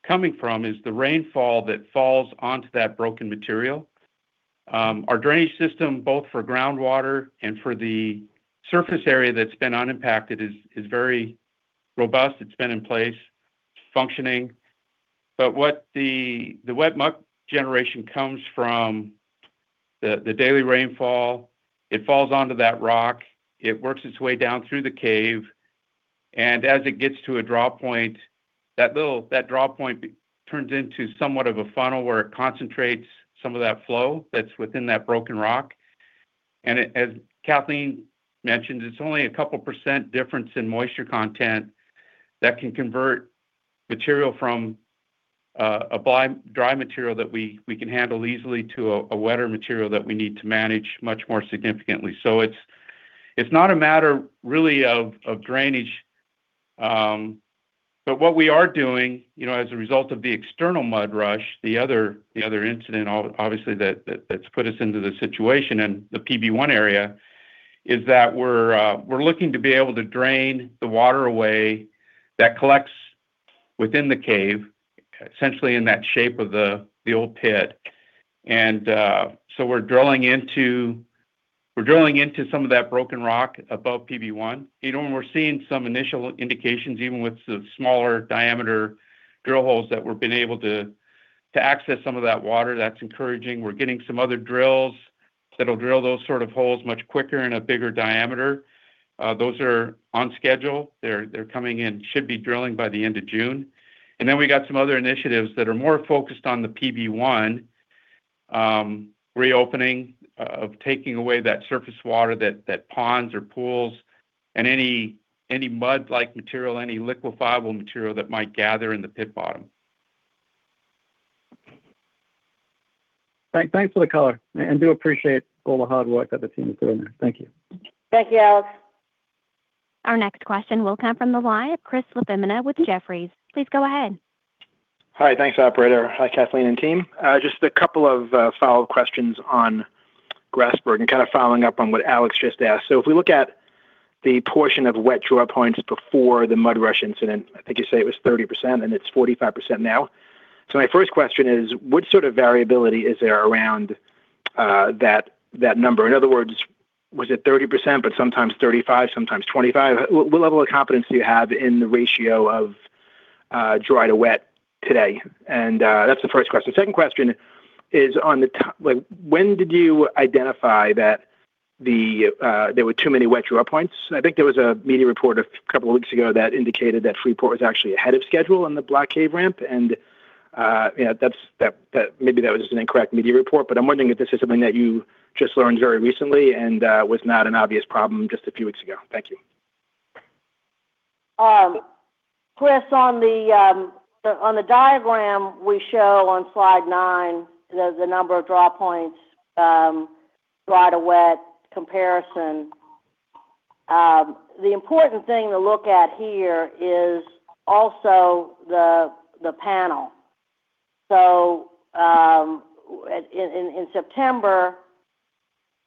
coming from is the rainfall that falls onto that broken material. Our drainage system, both for groundwater and for the surface area that's been unimpacted, is very robust. It's been in place, functioning. What the wet muck generation comes from, the daily rainfall, it falls onto that rock. It works its way down through the cave, and as it gets to a drawpoint, that drawpoint turns into somewhat of a funnel where it concentrates some of that flow that's within that broken rock. As Kathleen mentioned, it's only a couple of % difference in moisture content that can convert material from a dry material that we can handle easily to a wetter material that we need to manage much more significantly. It's not a matter really of drainage. What we are doing as a result of the external mud rush, the other incident obviously that's put us into this situation in the PB1 area, is that we're looking to be able to drain the water away that collects within the cave, essentially in that shape of the old pit. We're drilling into some of that broken rock above PB1. We're seeing some initial indications, even with the smaller diameter drill holes, that we've been able to access some of that water. That's encouraging. We're getting some other drills that'll drill those sort of holes much quicker in a bigger diameter. Those are on schedule. They're coming in. Should be drilling by the end of June. We got some other initiatives that are more focused on the PB1 reopening, of taking away that surface water that ponds or pools and any mud-like material, any liquefiable material that might gather in the pit bottom. Thanks for the color, and do appreciate all the hard work that the team is doing there. Thank you. Thank you, Alex. Our next question will come from the line of Chris LaFemina with Jefferies. Please go ahead. Hi. Thanks, operator. Hi, Kathleen and team. Just a couple of follow-up questions on Grasberg and kind of following up on what Alex just asked. If we look at the portion of wet draw points before the mud rush incident, I think you say it was 30% and it's 45% now. My first question is, what sort of variability is there around that number? In other words, was it 30%, but sometimes 35, sometimes 25? What level of confidence do you have in the ratio of dry to wet today? That's the first question. Second question is, when did you identify that there were too many wet draw points? I think there was a media report a couple of weeks ago that indicated that Freeport was actually ahead of schedule on the Block Cave ramp, and maybe that was just an incorrect media report, but I'm wondering if this is something that you just learned very recently and was not an obvious problem just a few weeks ago. Thank you. Chris, on the diagram we show on slide nine, the number of draw points, dry to wet comparison. The important thing to look at here is also the panel. In September,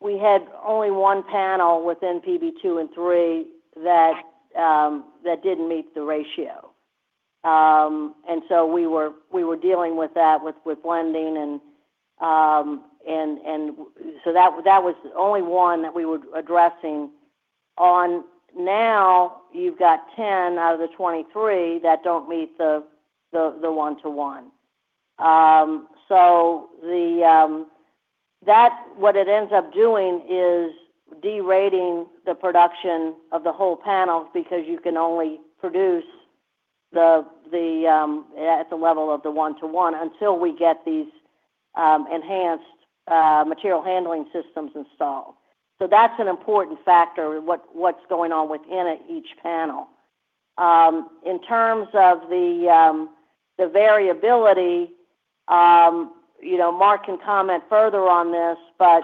we had only one panel within PB2 and three that didn't meet the ratio. We were dealing with that, with blending and that was the only one that we were addressing on. Now, you've got 10 out of the 23 that don't meet the 1:1. What it ends up doing is derating the production of the whole panel because you can only produce at the level of the 1:1 until we get these enhanced material handling systems installed. That's an important factor, what's going on within each panel. In terms of the variability, Mark can comment further on this, but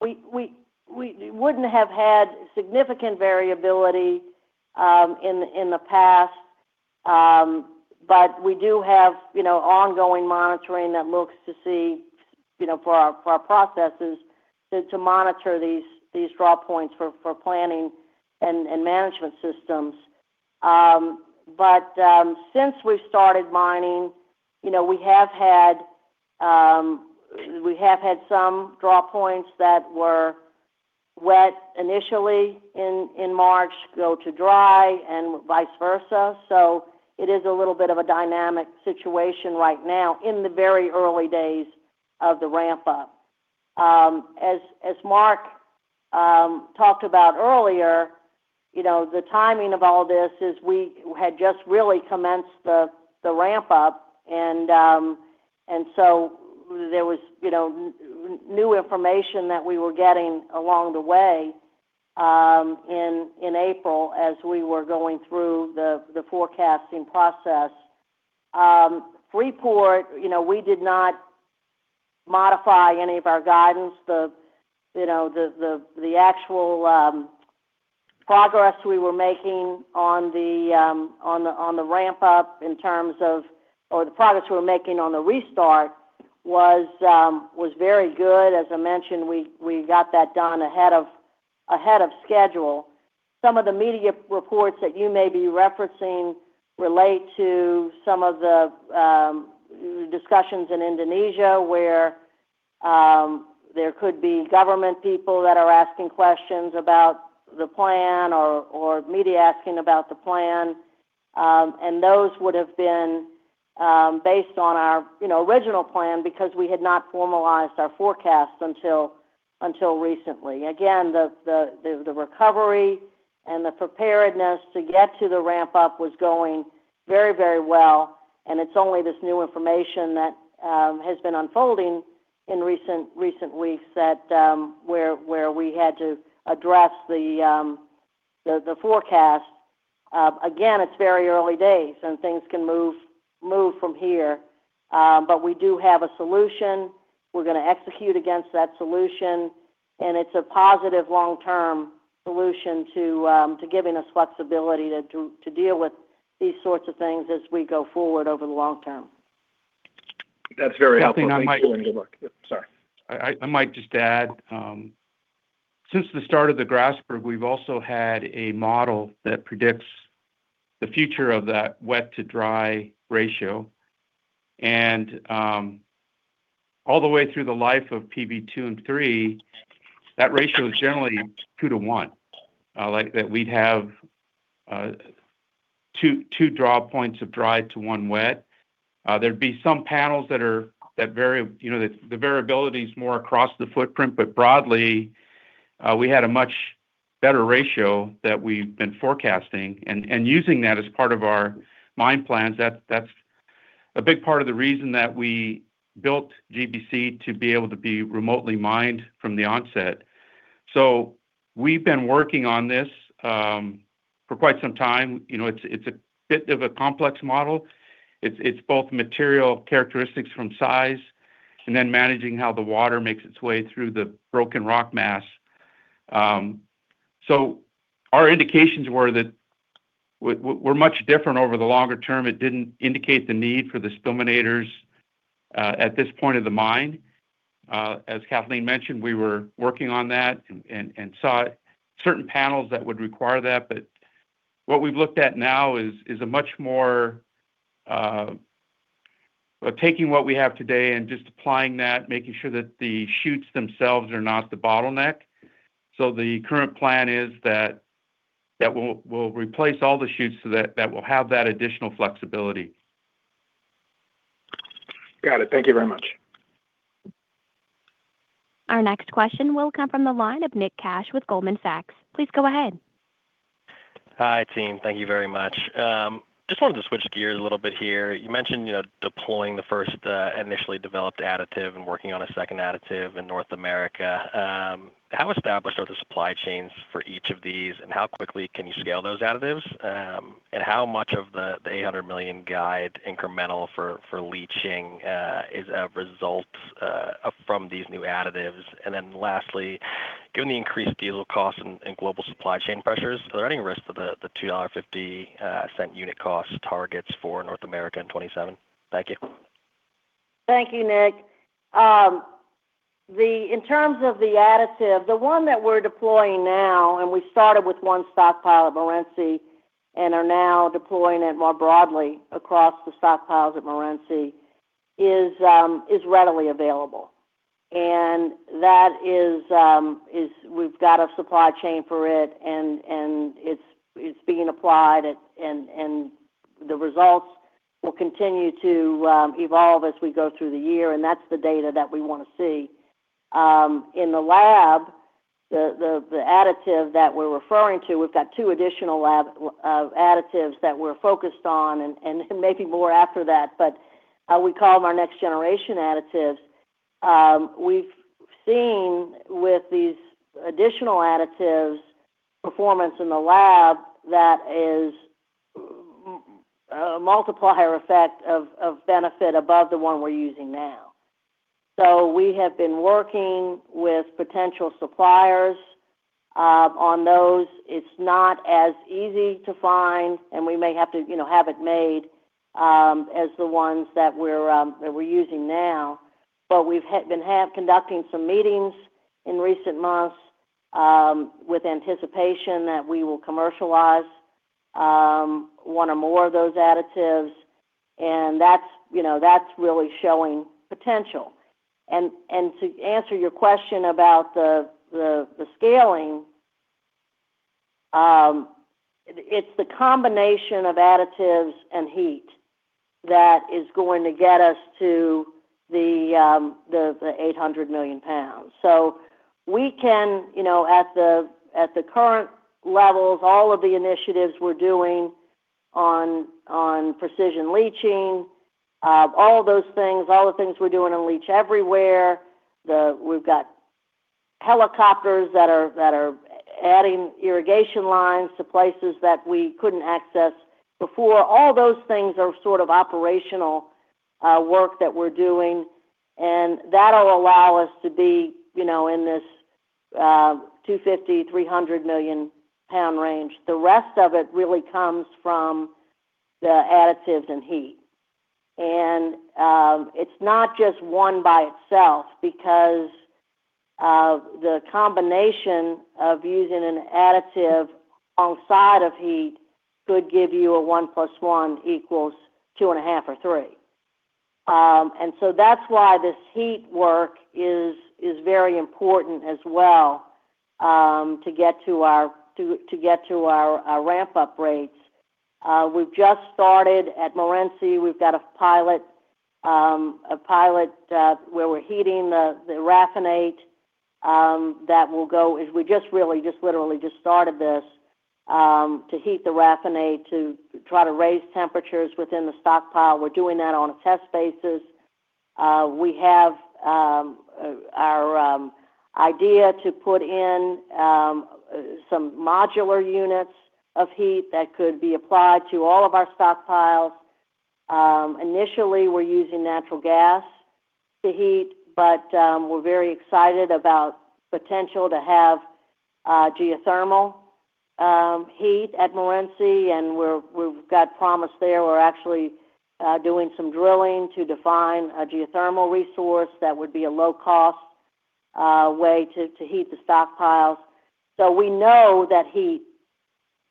we wouldn't have had significant variability in the past. We do have ongoing monitoring that looks to see for our processes to monitor these draw points for planning and management systems. Since we started mining, we have had some draw points that were wet initially in March go to dry and vice versa. It is a little bit of a dynamic situation right now in the very early days of the ramp up. As Mark talked about earlier, the timing of all this is we had just really commenced the ramp up and so there was new information that we were getting along the way in April as we were going through the forecasting process. Freeport, we did not modify any of our guidance. The actual progress we were making on the ramp up or the progress we were making on the restart was very good. As I mentioned, we got that done ahead of schedule. Some of the media reports that you may be referencing relate to some of the discussions in Indonesia, where there could be government people that are asking questions about the plan or media asking about the plan. Those would have been based on our original plan because we had not formalized our forecast until recently. Again, the recovery and the preparedness to get to the ramp up was going very, very well and it's only this new information that has been unfolding in recent weeks where we had to address the forecast. Again, it's very early days and things can move from here. We do have a solution. We're going to execute against that solution, and it's a positive long-term solution to giving us flexibility to deal with these sorts of things as we go forward over the long term. That's very helpful. Thanks for doing the work. Sorry. I might just add, since the start of the Grasberg group, we've also had a model that predicts the future of that wet-to-dry ratio. All the way through the life of PB2 and 3, that ratio is generally 2:1. That we'd have two draw points of dry to one wet. There'd be some panels that the variability is more across the footprint. Broadly, we had a much better ratio that we've been forecasting and using that as part of our mine plans. That's a big part of the reason that we built GBC to be able to be remotely mined from the onset. We've been working on this for quite some time. It's a bit of a complex model. It's both material characteristics from size and then managing how the water makes its way through the broken rock mass. Our indications were that we're much different over the longer term. It didn't indicate the need for the spilligators at this point of the mine. As Kathleen mentioned, we were working on that and saw certain panels that would require that, but what we've looked at now is we're taking what we have today and just applying that, making sure that the chutes themselves are not the bottleneck. The current plan is that we'll replace all the chutes so that we'll have that additional flexibility. Got it. Thank you very much. Our next question will come from the line of Nick Cash with Goldman Sachs. Please go ahead. Hi, team. Thank you very much. Just wanted to switch gears a little bit here. You mentioned deploying the first initially developed additive and working on a second additive in North America. How established are the supply chains for each of these, and how quickly can you scale those additives? How much of the $800 million guide incremental for leaching is a result from these new additives? Lastly, given the increased diesel costs and global supply chain pressures, are there any risks to the $2.50 unit cost targets for North America in 2027? Thank you. Thank you, Nick. In terms of the additive, the one that we're deploying now, and we started with one stockpile at Morenci, and are now deploying it more broadly across the stockpiles at Morenci, is readily available. We've got a supply chain for it, and it's being applied, and the results will continue to evolve as we go through the year, and that's the data that we want to see. In the lab, the additive that we're referring to, we've got two additional lab additives that we're focused on, and maybe more after that, but we call them our next generation additives. We've seen with these additional additives performance in the lab that is a multiplier effect of benefit above the one we're using now. We have been working with potential suppliers on those. It's not as easy to find, and we may have to have it made, as the ones that we're using now. We've been conducting some meetings in recent months, with anticipation that we will commercialize one or more of those additives, and that's really showing potential. To answer your question about the scaling, it's the combination of additives and heat that is going to get us to the 800 million pounds. We can, at the current levels, all of the initiatives we're doing on precision leaching, all of those things, all the things we're doing on Leach Everywhere. We've got helicopters that are adding irrigation lines to places that we couldn't access before. All those things are sort of operational work that we're doing, and that'll allow us to be in this 250-300 million pound range. The rest of it really comes from the additives and heat. It's not just one by itself, because of the combination of using an additive alongside of heat could give you a 1 + 1 = 2.5 or 3. That's why this heat work is very important as well, to get to our ramp-up rates. We've just started at Morenci. We've got a pilot where we're heating the raffinate. We literally just started this, to heat the raffinate to try to raise temperatures within the stockpile. We're doing that on a test basis. We have our idea to put in some modular units of heat that could be applied to all of our stockpiles. Initially, we're using natural gas to heat, but we're very excited about potential to have geothermal heat at Morenci, and we've got promise there. We're actually doing some drilling to define a geothermal resource that would be a low-cost way to heat the stockpiles. We know that heat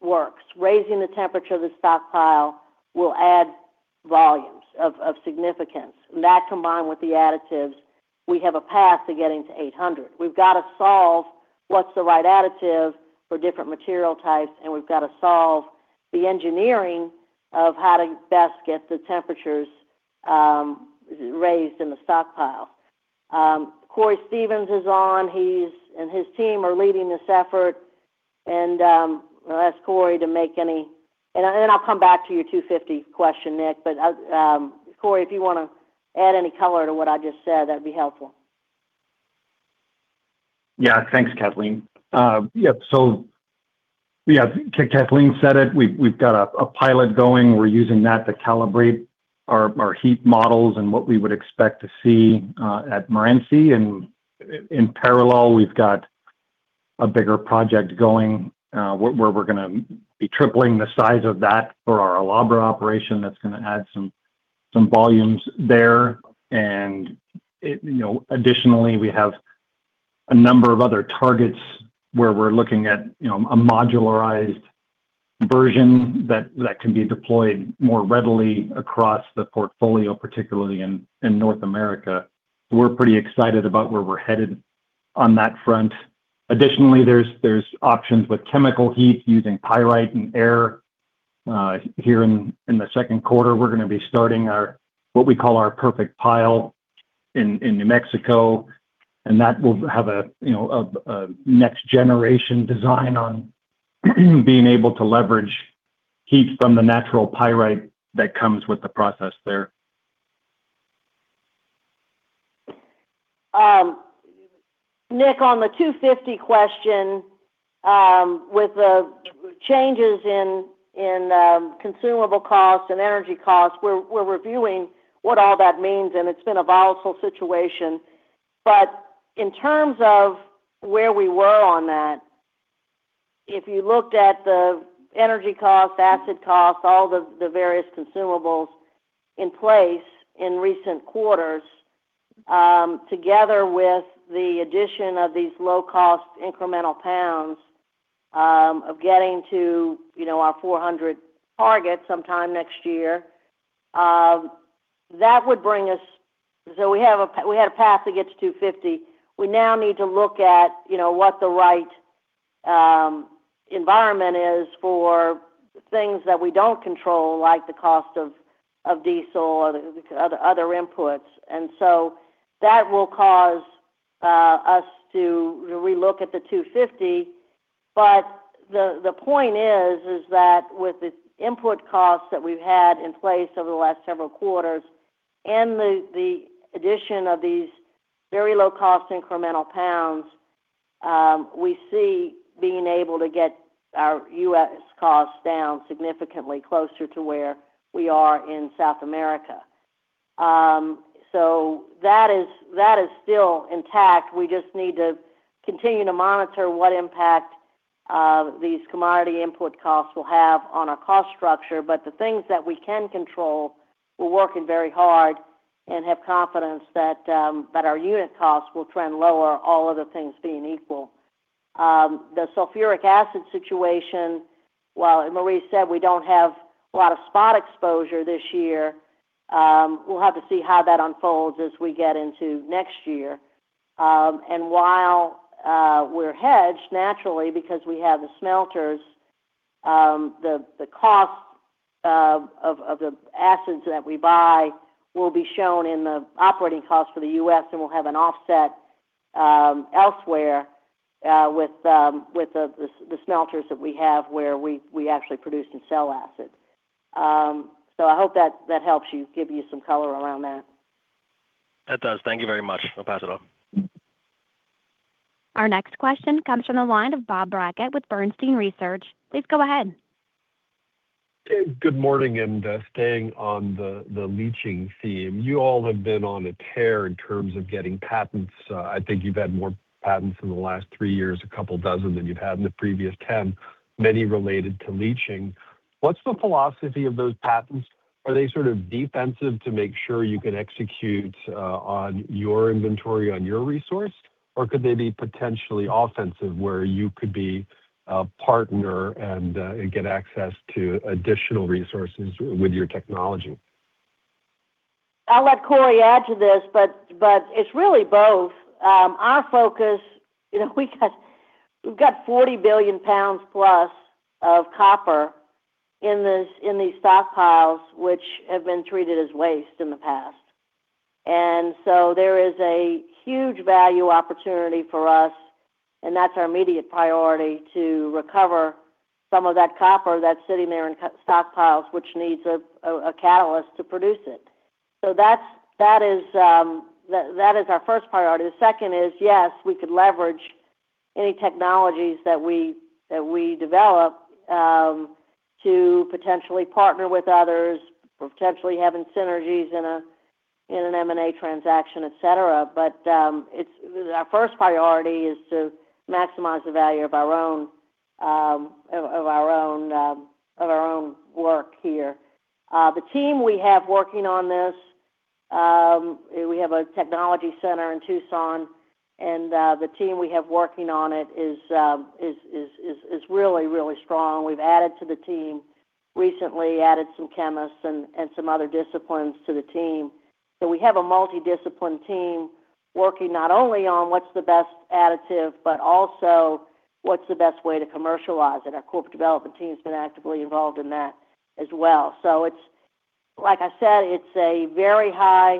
works. Raising the temperature of the stockpile will add volumes of significance. That, combined with the additives, we have a path to getting to 800. We've got to solve what's the right additive for different material types, and we've got to solve the engineering of how to best get the temperatures raised in the stockpile. Cory Stevens is on, he and his team are leading this effort. Then I'll come back to your 250 question, Nick. Cory, if you want to add any color to what I just said, that'd be helpful. Yeah. Thanks, Kathleen. Yeah, so Kathleen said it. We've got a pilot going. We're using that to calibrate our heap models and what we would expect to see at Morenci. In parallel, we've got a bigger project going, where we're going to be tripling the size of that for our El Abra operation. That's going to add some volumes there. Additionally, we have a number of other targets where we're looking at a modularized version that can be deployed more readily across the portfolio, particularly in North America. We're pretty excited about where we're headed on that front. Additionally, there's options with chemical heat using pyrite and air. Here in the Q2, we're going to be starting what we call our peroxide pile in New Mexico. That will have a next-generation design on being able to leverage heat from the natural pyrite that comes with the process there. Nick, on the 250 question, with the changes in consumable costs and energy costs, we're reviewing what all that means, and it's been a volatile situation. In terms of where we were on that, if you looked at the energy costs, acid costs, all the various consumables in place in recent quarters, together with the addition of these low-cost incremental pounds of getting to our 400 target sometime next year, that would bring us. We had a path to get to 250. We now need to look at what the right environment is for things that we don't control, like the cost of diesel or other inputs. That will cause us to re-look at the 250. The point is that with the input costs that we've had in place over the last several quarters and the addition of these very low-cost incremental pounds, we see being able to get our U.S. costs down significantly closer to where we are in South America. That is still intact. We just need to continue to monitor what impact these commodity input costs will have on our cost structure. The things that we can control, we're working very hard and have confidence that our unit costs will trend lower, all other things being equal. The sulfuric acid situation, while Maree said we don't have a lot of spot exposure this year, we'll have to see how that unfolds as we get into next year. While we're hedged naturally because we have the smelters, the cost of the acids that we buy will be shown in the operating costs for the U.S., and we'll have an offset elsewhere with the smelters that we have where we actually produce and sell acid. I hope that helps you, give you some color around that. That does. Thank you very much. I'll pass it on. Our next question comes from the line of Bob Brackett with Bernstein Research. Please go ahead. Good morning, staying on the leaching theme. You all have been on a tear in terms of getting patents. I think you've had more patents in the last three years, a couple dozen than you've had in the previous 10, many related to leaching. What's the philosophy of those patents? Are they sort of defensive to make sure you can execute on your inventory, on your resource? Or could they be potentially offensive, where you could be a partner and get access to additional resources with your technology? I'll let Cory add to this, but it's really both. Our focus, we've got 40 billion pounds plus of copper in these stockpiles, which have been treated as waste in the past. There is a huge value opportunity for us, and that's our immediate priority, to recover some of that copper that's sitting there in stockpiles, which needs a catalyst to produce it. That is our first priority. The second is, yes, we could leverage any technologies that we develop to potentially partner with others, potentially having synergies in an M&A transaction, etc. Our first priority is to maximize the value of our own work here. The team we have working on this, we have a technology center in Tucson, and the team we have working on it is really, really strong. We've added to the team. Recently added some chemists and some other disciplines to the team. We have a multi-discipline team working not only on what's the best additive, but also what's the best way to commercialize it. Our corporate development team's been actively involved in that as well. Like I said, it's a very high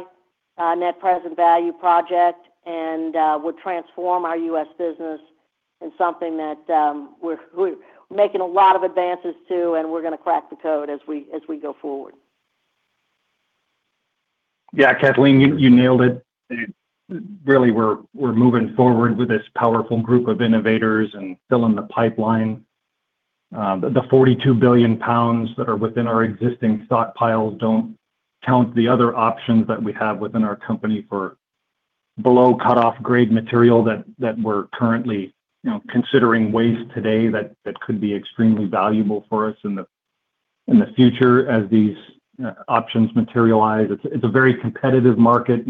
net present value project, and would transform our U.S. business in something that we're making a lot of advances to, and we're going to crack the code as we go forward. Yeah, Kathleen, you nailed it. Really, we're moving forward with this powerful group of innovators and filling the pipeline. The 42 billion pounds that are within our existing stockpiles don't count the other options that we have within our company for below cutoff grade material that we're currently considering waste today that could be extremely valuable for us in the future as these options materialize. It's a very competitive market.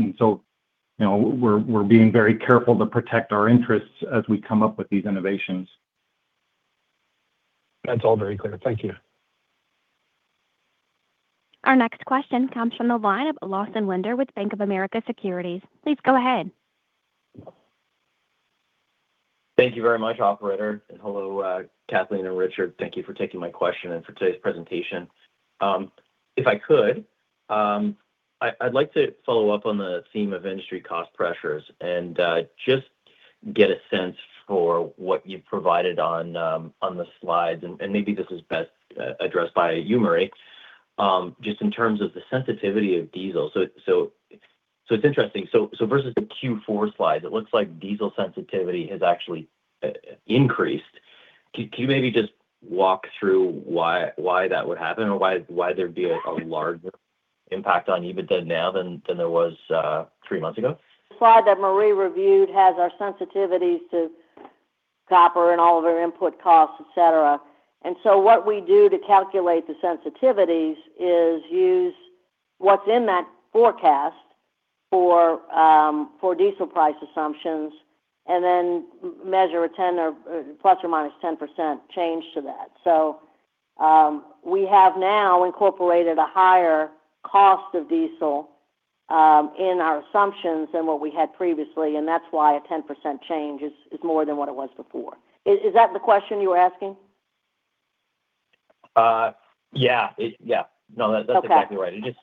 We're being very careful to protect our interests as we come up with these innovations. That's all very clear. Thank you. Our next question comes from the line of Lawson Winder with Bank of America Securities. Please go ahead. Thank you very much, operator. Hello, Kathleen and Richard. Thank you for taking my question and for today's presentation. If I could, I'd like to follow up on the theme of industry cost pressures and just get a sense for what you've provided on the slides, and maybe this is best addressed by you, Maree, just in terms of the sensitivity of diesel. It's interesting. Versus the Q4 slides, it looks like diesel sensitivity has actually increased. Can you maybe just walk through why that would happen, or why there'd be a large impact on EBITDA now, than there was three months ago? The slide that Maree reviewed has our sensitivities to copper and all of our input costs, et cetera. What we do to calculate the sensitivities is use what's in that forecast for diesel price assumptions, and then measure a plus or minus 10% change to that. We have now incorporated a higher cost of diesel in our assumptions than what we had previously, and that's why a 10% change is more than what it was before. Is that the question you were asking? Yeah. Okay. No, that's exactly right. It just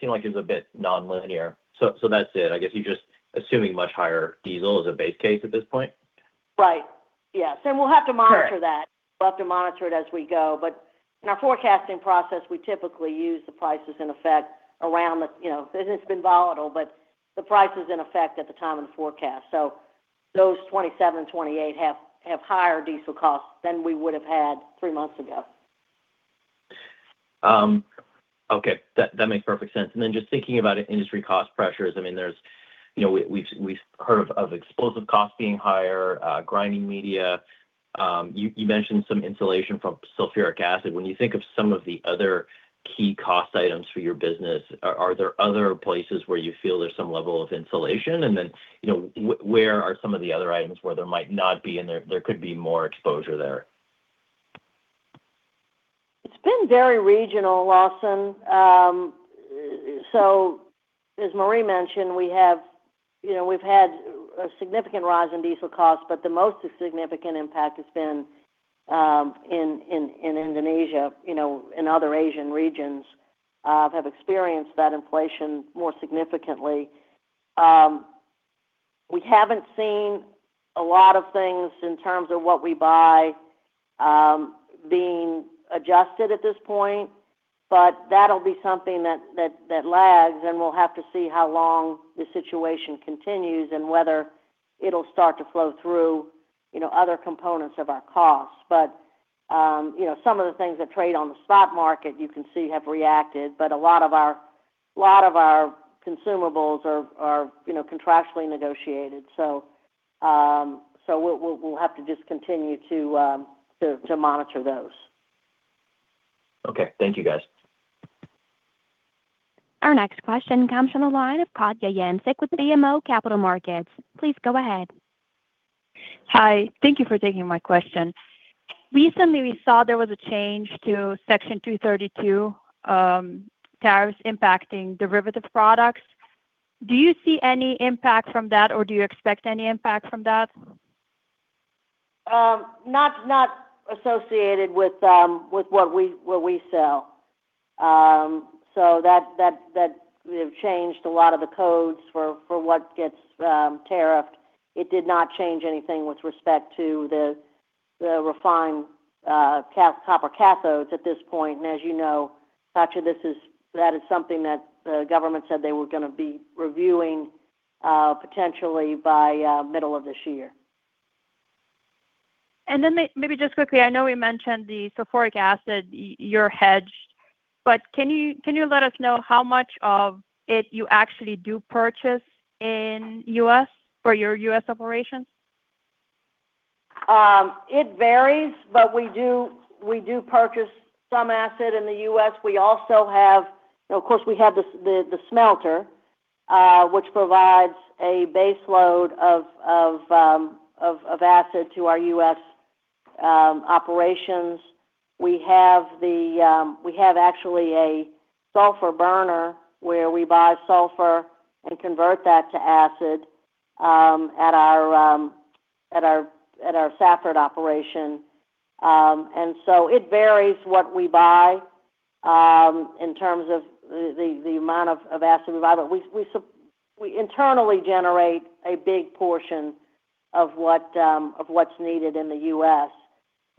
seemed like it was a bit non-linear. That's it. I guess you're just assuming much higher diesel as a base case at this point? Right. Yes. Correct. We'll have to monitor that. We'll have to monitor it as we go. In our forecasting process, we typically use the prices in effect around the business. The business has been volatile, but the price is in effect at the time of the forecast. Those 2027 and 2028 have higher diesel costs than we would have had three months ago. Okay. That makes perfect sense. Just thinking about industry cost pressures, we've heard of explosives costs being higher, grinding media. You mentioned some insulation from sulfuric acid. When you think of some of the other key cost items for your business, are there other places where you feel there's some level of insulation? Where are some of the other items where there might not be, and there could be more exposure there? It's been very regional, Lawson. As Maree mentioned, we've had a significant rise in diesel costs, but the most significant impact has been in Indonesia and other Asian regions have experienced that inflation more significantly. We haven't seen a lot of things in terms of what we buy being adjusted at this point, but that'll be something that lags, and we'll have to see how long the situation continues and whether it'll start to flow through other components of our costs. But some of the things that trade on the spot market, you can see have reacted, but a lot of our consumables are contractually negotiated. We'll have to just continue to monitor those. Okay. Thank you, guys. Our next question comes from the line of Katja Jancic with BMO Capital Markets. Please go ahead. Hi. Thank you for taking my question. Recently, we saw there was a change to Section 232 tariffs impacting derivative products. Do you see any impact from that, or do you expect any impact from that? Not associated with what we sell. That changed a lot of the codes for what gets tariffed. It did not change anything with respect to the refined copper cathodes at this point. As you know, Katja, that is something that the government said they were going to be reviewing potentially by middle of this year. Maybe just quickly, I know we mentioned the sulfuric acid, you're hedged, but can you let us know how much of it you actually do purchase in U.S. for your U.S. operations? It varies, but we do purchase some acid in the U.S. We also have, of course, the smelter, which provides a base load of acid to our U.S. operations. We have actually a sulfur burner where we buy sulfur and convert that to acid at our Safford operation. It varies what we buy in terms of the amount of acid we buy. We internally generate a big portion of what's needed in the U.S.,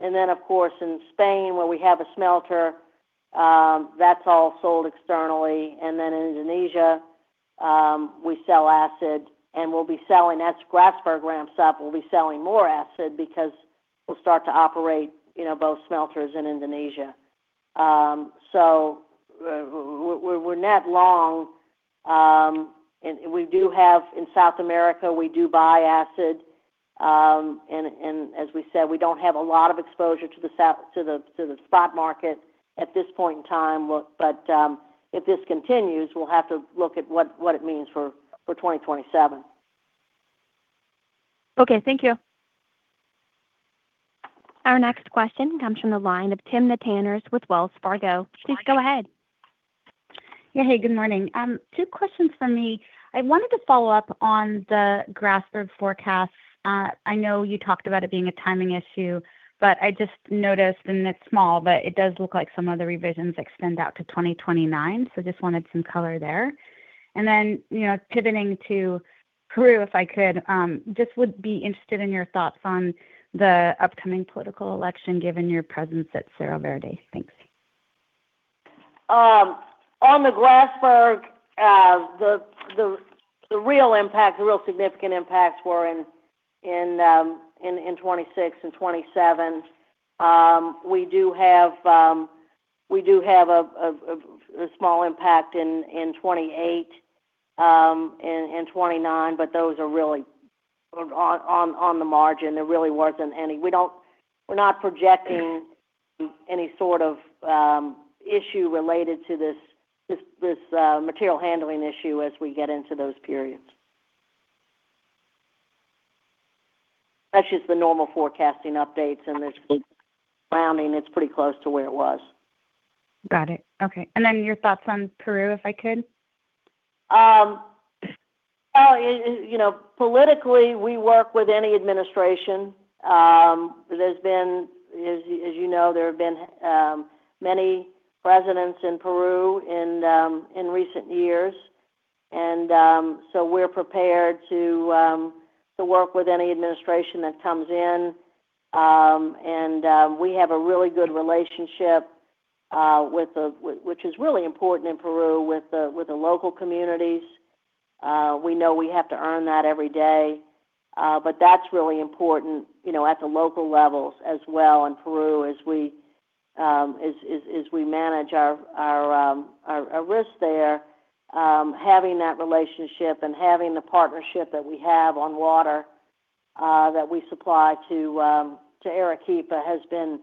and then of course in Spain where we have a smelter, that's all sold externally. In Indonesia, we sell acid, and as Grasberg ramps up, we'll be selling more acid because we'll start to operate both smelters in Indonesia. We're net long. In South America, we do buy acid. As we said, we don't have a lot of exposure to the spot market at this point in time. If this continues, we'll have to look at what it means for 2027. Okay. Thank you. Our next question comes from the line of Timna Tanners with Wells Fargo. Please go ahead. Yeah. Hey, good morning. Two questions from me. I wanted to follow up on the Grasberg forecast. I know you talked about it being a timing issue, but I just noticed, and it's small, but it does look like some of the revisions extend out to 2027, so just wanted some color there. Pivoting to Peru, if I could, just would be interested in your thoughts on the upcoming political election given your presence at Cerro Verde. Thanks. On the Grasberg, the real significant impacts were in 2026 and 2027. We do have a small impact in 2028, in 2029, but those are really on the margin. We're not projecting any sort of issue related to this material handling issue as we get into those periods. That's just the normal forecasting updates, and there's rounding. It's pretty close to where it was. Got it. Okay. Your thoughts on Peru, if I could? Politically, we work with any administration. As you know, there have been many presidents in Peru in recent years, and so we're prepared to work with any administration that comes in. We have a really good relationship, which is really important in Peru with the local communities. We know we have to earn that every day. That's really important at the local levels as well in Peru as we manage our risk there. Having that relationship and having the partnership that we have on water that we supply to Arequipa has been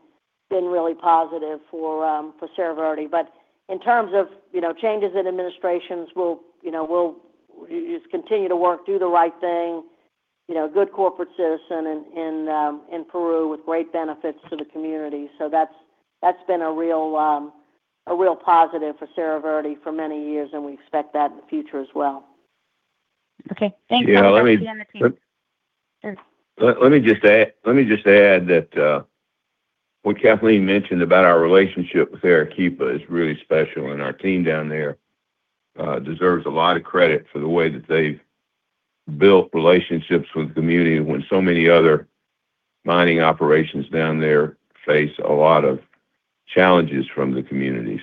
really positive for Cerro Verde. In terms of changes in administrations, we'll just continue to work, do the right thing, good corporate citizen in Peru with great benefits to the community. That's been a real positive for Cerro Verde for many years, and we expect that in the future as well. Okay. Thanks. You know, let me just add that what Kathleen mentioned about our relationship with Arequipa is really special, and our team down there deserves a lot of credit for the way that they've built relationships with the community when so many other mining operations down there face a lot of challenges from the community.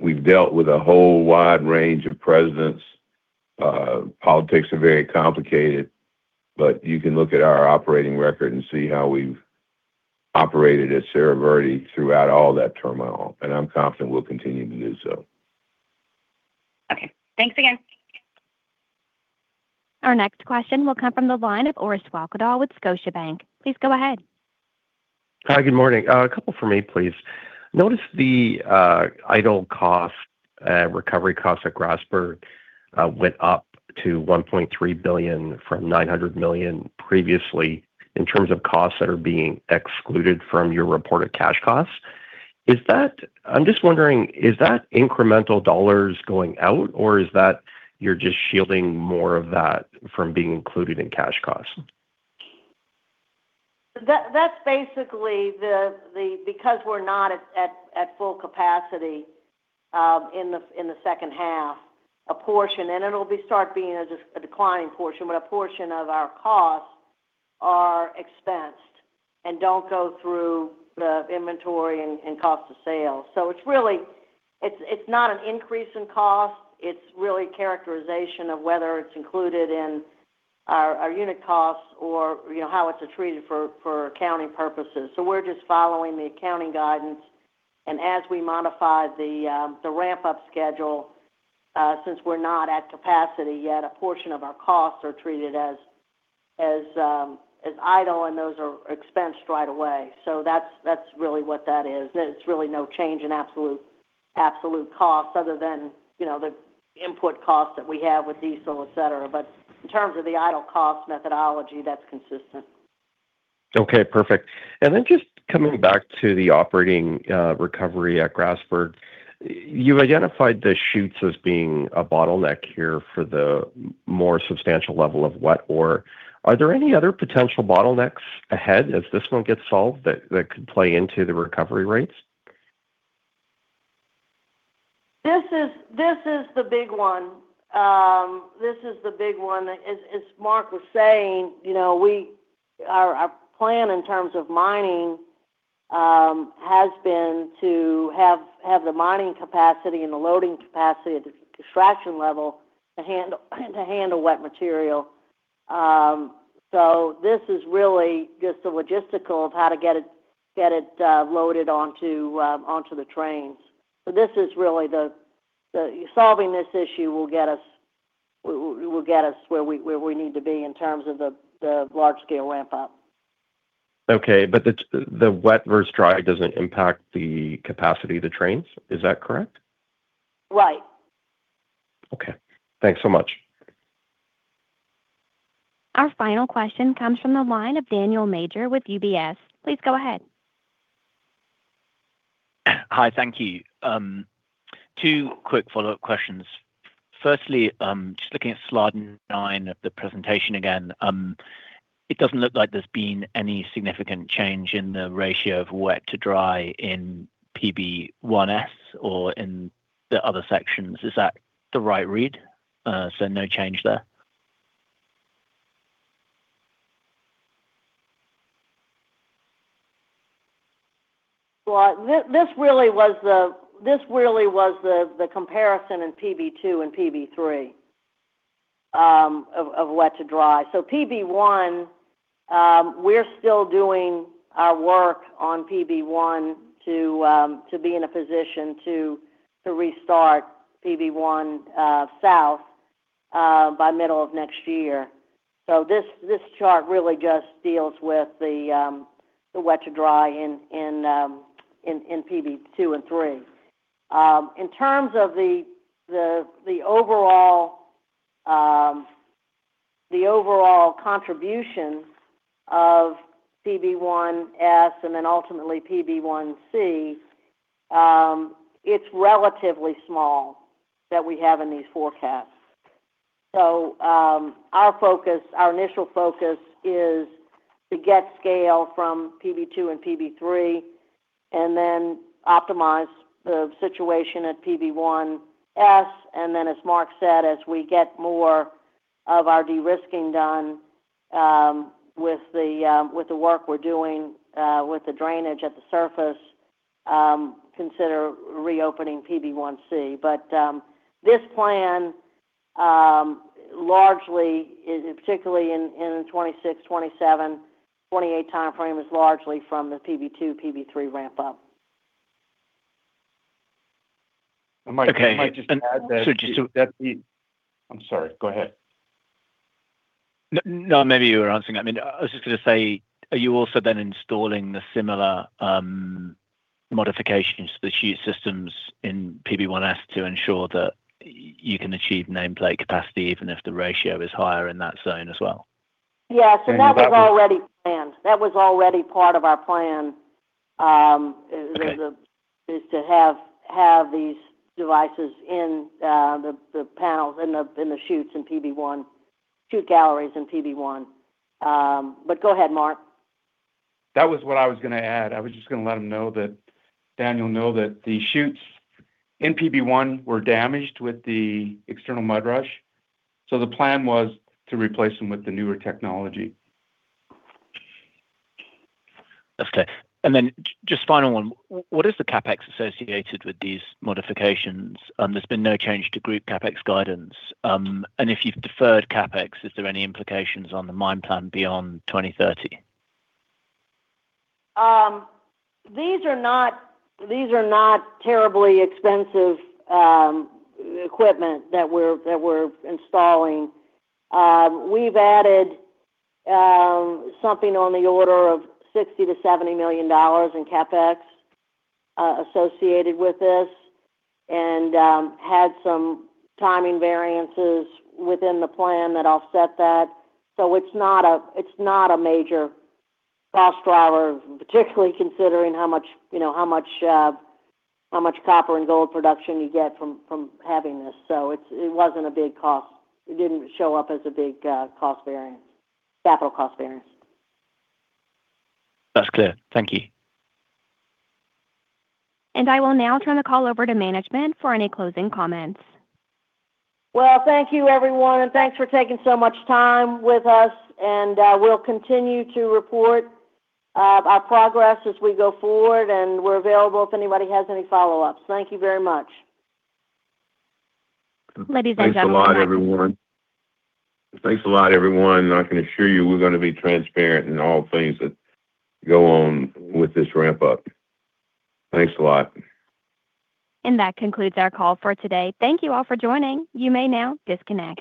We've dealt with a whole wide range of presidents. Politics are very complicated. You can look at our operating record and see how we've operated at Cerro Verde throughout all that turmoil, and I'm confident we'll continue to do so. Okay. Thanks again. Our next question will come from the line of Orest Wowkodaw with Scotiabank. Please go ahead. Hi. Good morning. A couple from me, please. Noticed the idle cost, recovery cost at Grasberg went up to $1.3 billion from $900 million previously in terms of costs that are being excluded from your reported cash costs. I'm just wondering, is that incremental dollars going out, or is that you're just shielding more of that from being included in cash costs? That's basically because we're not at full capacity in the H2, a portion, and it'll start being a declining portion, but a portion of our costs are expensed and don't go through the inventory and cost of sales. It's not an increase in cost, it's really characterization of whether it's included in our unit costs or how it's treated for accounting purposes. We're just following the accounting guidance and as we modify the ramp-up schedule, since we're not at capacity yet, a portion of our costs are treated as idle, and those are expensed right away. That's really what that is. It's really no change in absolute costs other than the input costs that we have with diesel, et cetera. In terms of the idle cost methodology, that's consistent. Okay, perfect. Just coming back to the operating recovery at Grasberg, you've identified the chutes as being a bottleneck here for the more substantial level of wet ore. Are there any other potential bottlenecks ahead as this one gets solved that could play into the recovery rates? This is the big one. As Mark was saying, our plan in terms of mining, has been to have the mining capacity and the loading capacity at the extraction level to handle wet material. This is really just the logistics of how to get it loaded onto the trains. Solving this issue will get us where we need to be in terms of the large scale ramp-up. Okay. The wet versus dry doesn't impact the capacity of the trains. Is that correct? Right. Okay. Thanks so much. Our final question comes from the line of Daniel Major with UBS. Please go ahead. Hi. Thank you. Two quick follow-up questions. Firstly, just looking at slide nine of the presentation again. It doesn't look like there's been any significant change in the ratio of wet to dry in PB1S or in the other sections. Is that the right read? No change there? Well, this really was the comparison in PB2 and PB3, of wet to dry. PB1, we're still doing our work on PB1 to be in a position to restart PB1 South by middle of next year. This chart really just deals with the wet to dry in PB2 and PB3. In terms of the overall contribution of PB1S, and then ultimately PB1C, it's relatively small that we have in these forecasts. Our initial focus is to get scale from PB2 and PB3 and then optimize the situation at PB1S. As Mark said, as we get more of our de-risking done with the work we're doing with the drainage at the surface, consider reopening PB1C. This plan, particularly in the 2026, 2027, 2028 time frame, is largely from the PB2, PB3 ramp-up. Okay. I might just add that. I'm sorry. Go ahead. No, maybe you were answering that. I was just going to say, are you also then installing the similar modifications to the chute systems in PB1S to ensure that you can achieve nameplate capacity even if the ratio is higher in that zone as well? Yes. That was already planned. That was already part of our plan. Okay... is to have these devices in the chutes in PB1, two galleries in PB1. Go ahead, Mark. That was what I was going to add. I was just going to let Daniel know that the chutes in PB1 were damaged with the external mud rush. The plan was to replace them with the newer technology. Okay. Just final one. What is the CapEx associated with these modifications? There's been no change to group CapEx guidance. If you've deferred CapEx, is there any implications on the mine plan beyond 2030? These are not terribly expensive equipment that we're installing. We've added something on the order of $60 million-$70 million in CapEx associated with this and had some timing variances within the plan that offset that. It's not a major cost driver, particularly considering how much copper and gold production you get from having this. It wasn't a big cost. It didn't show up as a big capital cost variance. That's clear. Thank you. I will now turn the call over to management for any closing comments. Well, thank you, everyone, and thanks for taking so much time with us. We'll continue to report our progress as we go forward, and we're available if anybody has any follow-ups. Thank you very much. Ladies and gentlemen. Thanks a lot, everyone. I can assure you we're going to be transparent in all things that go on with this ramp-up. Thanks a lot. That concludes our call for today. Thank you all for joining. You may now disconnect.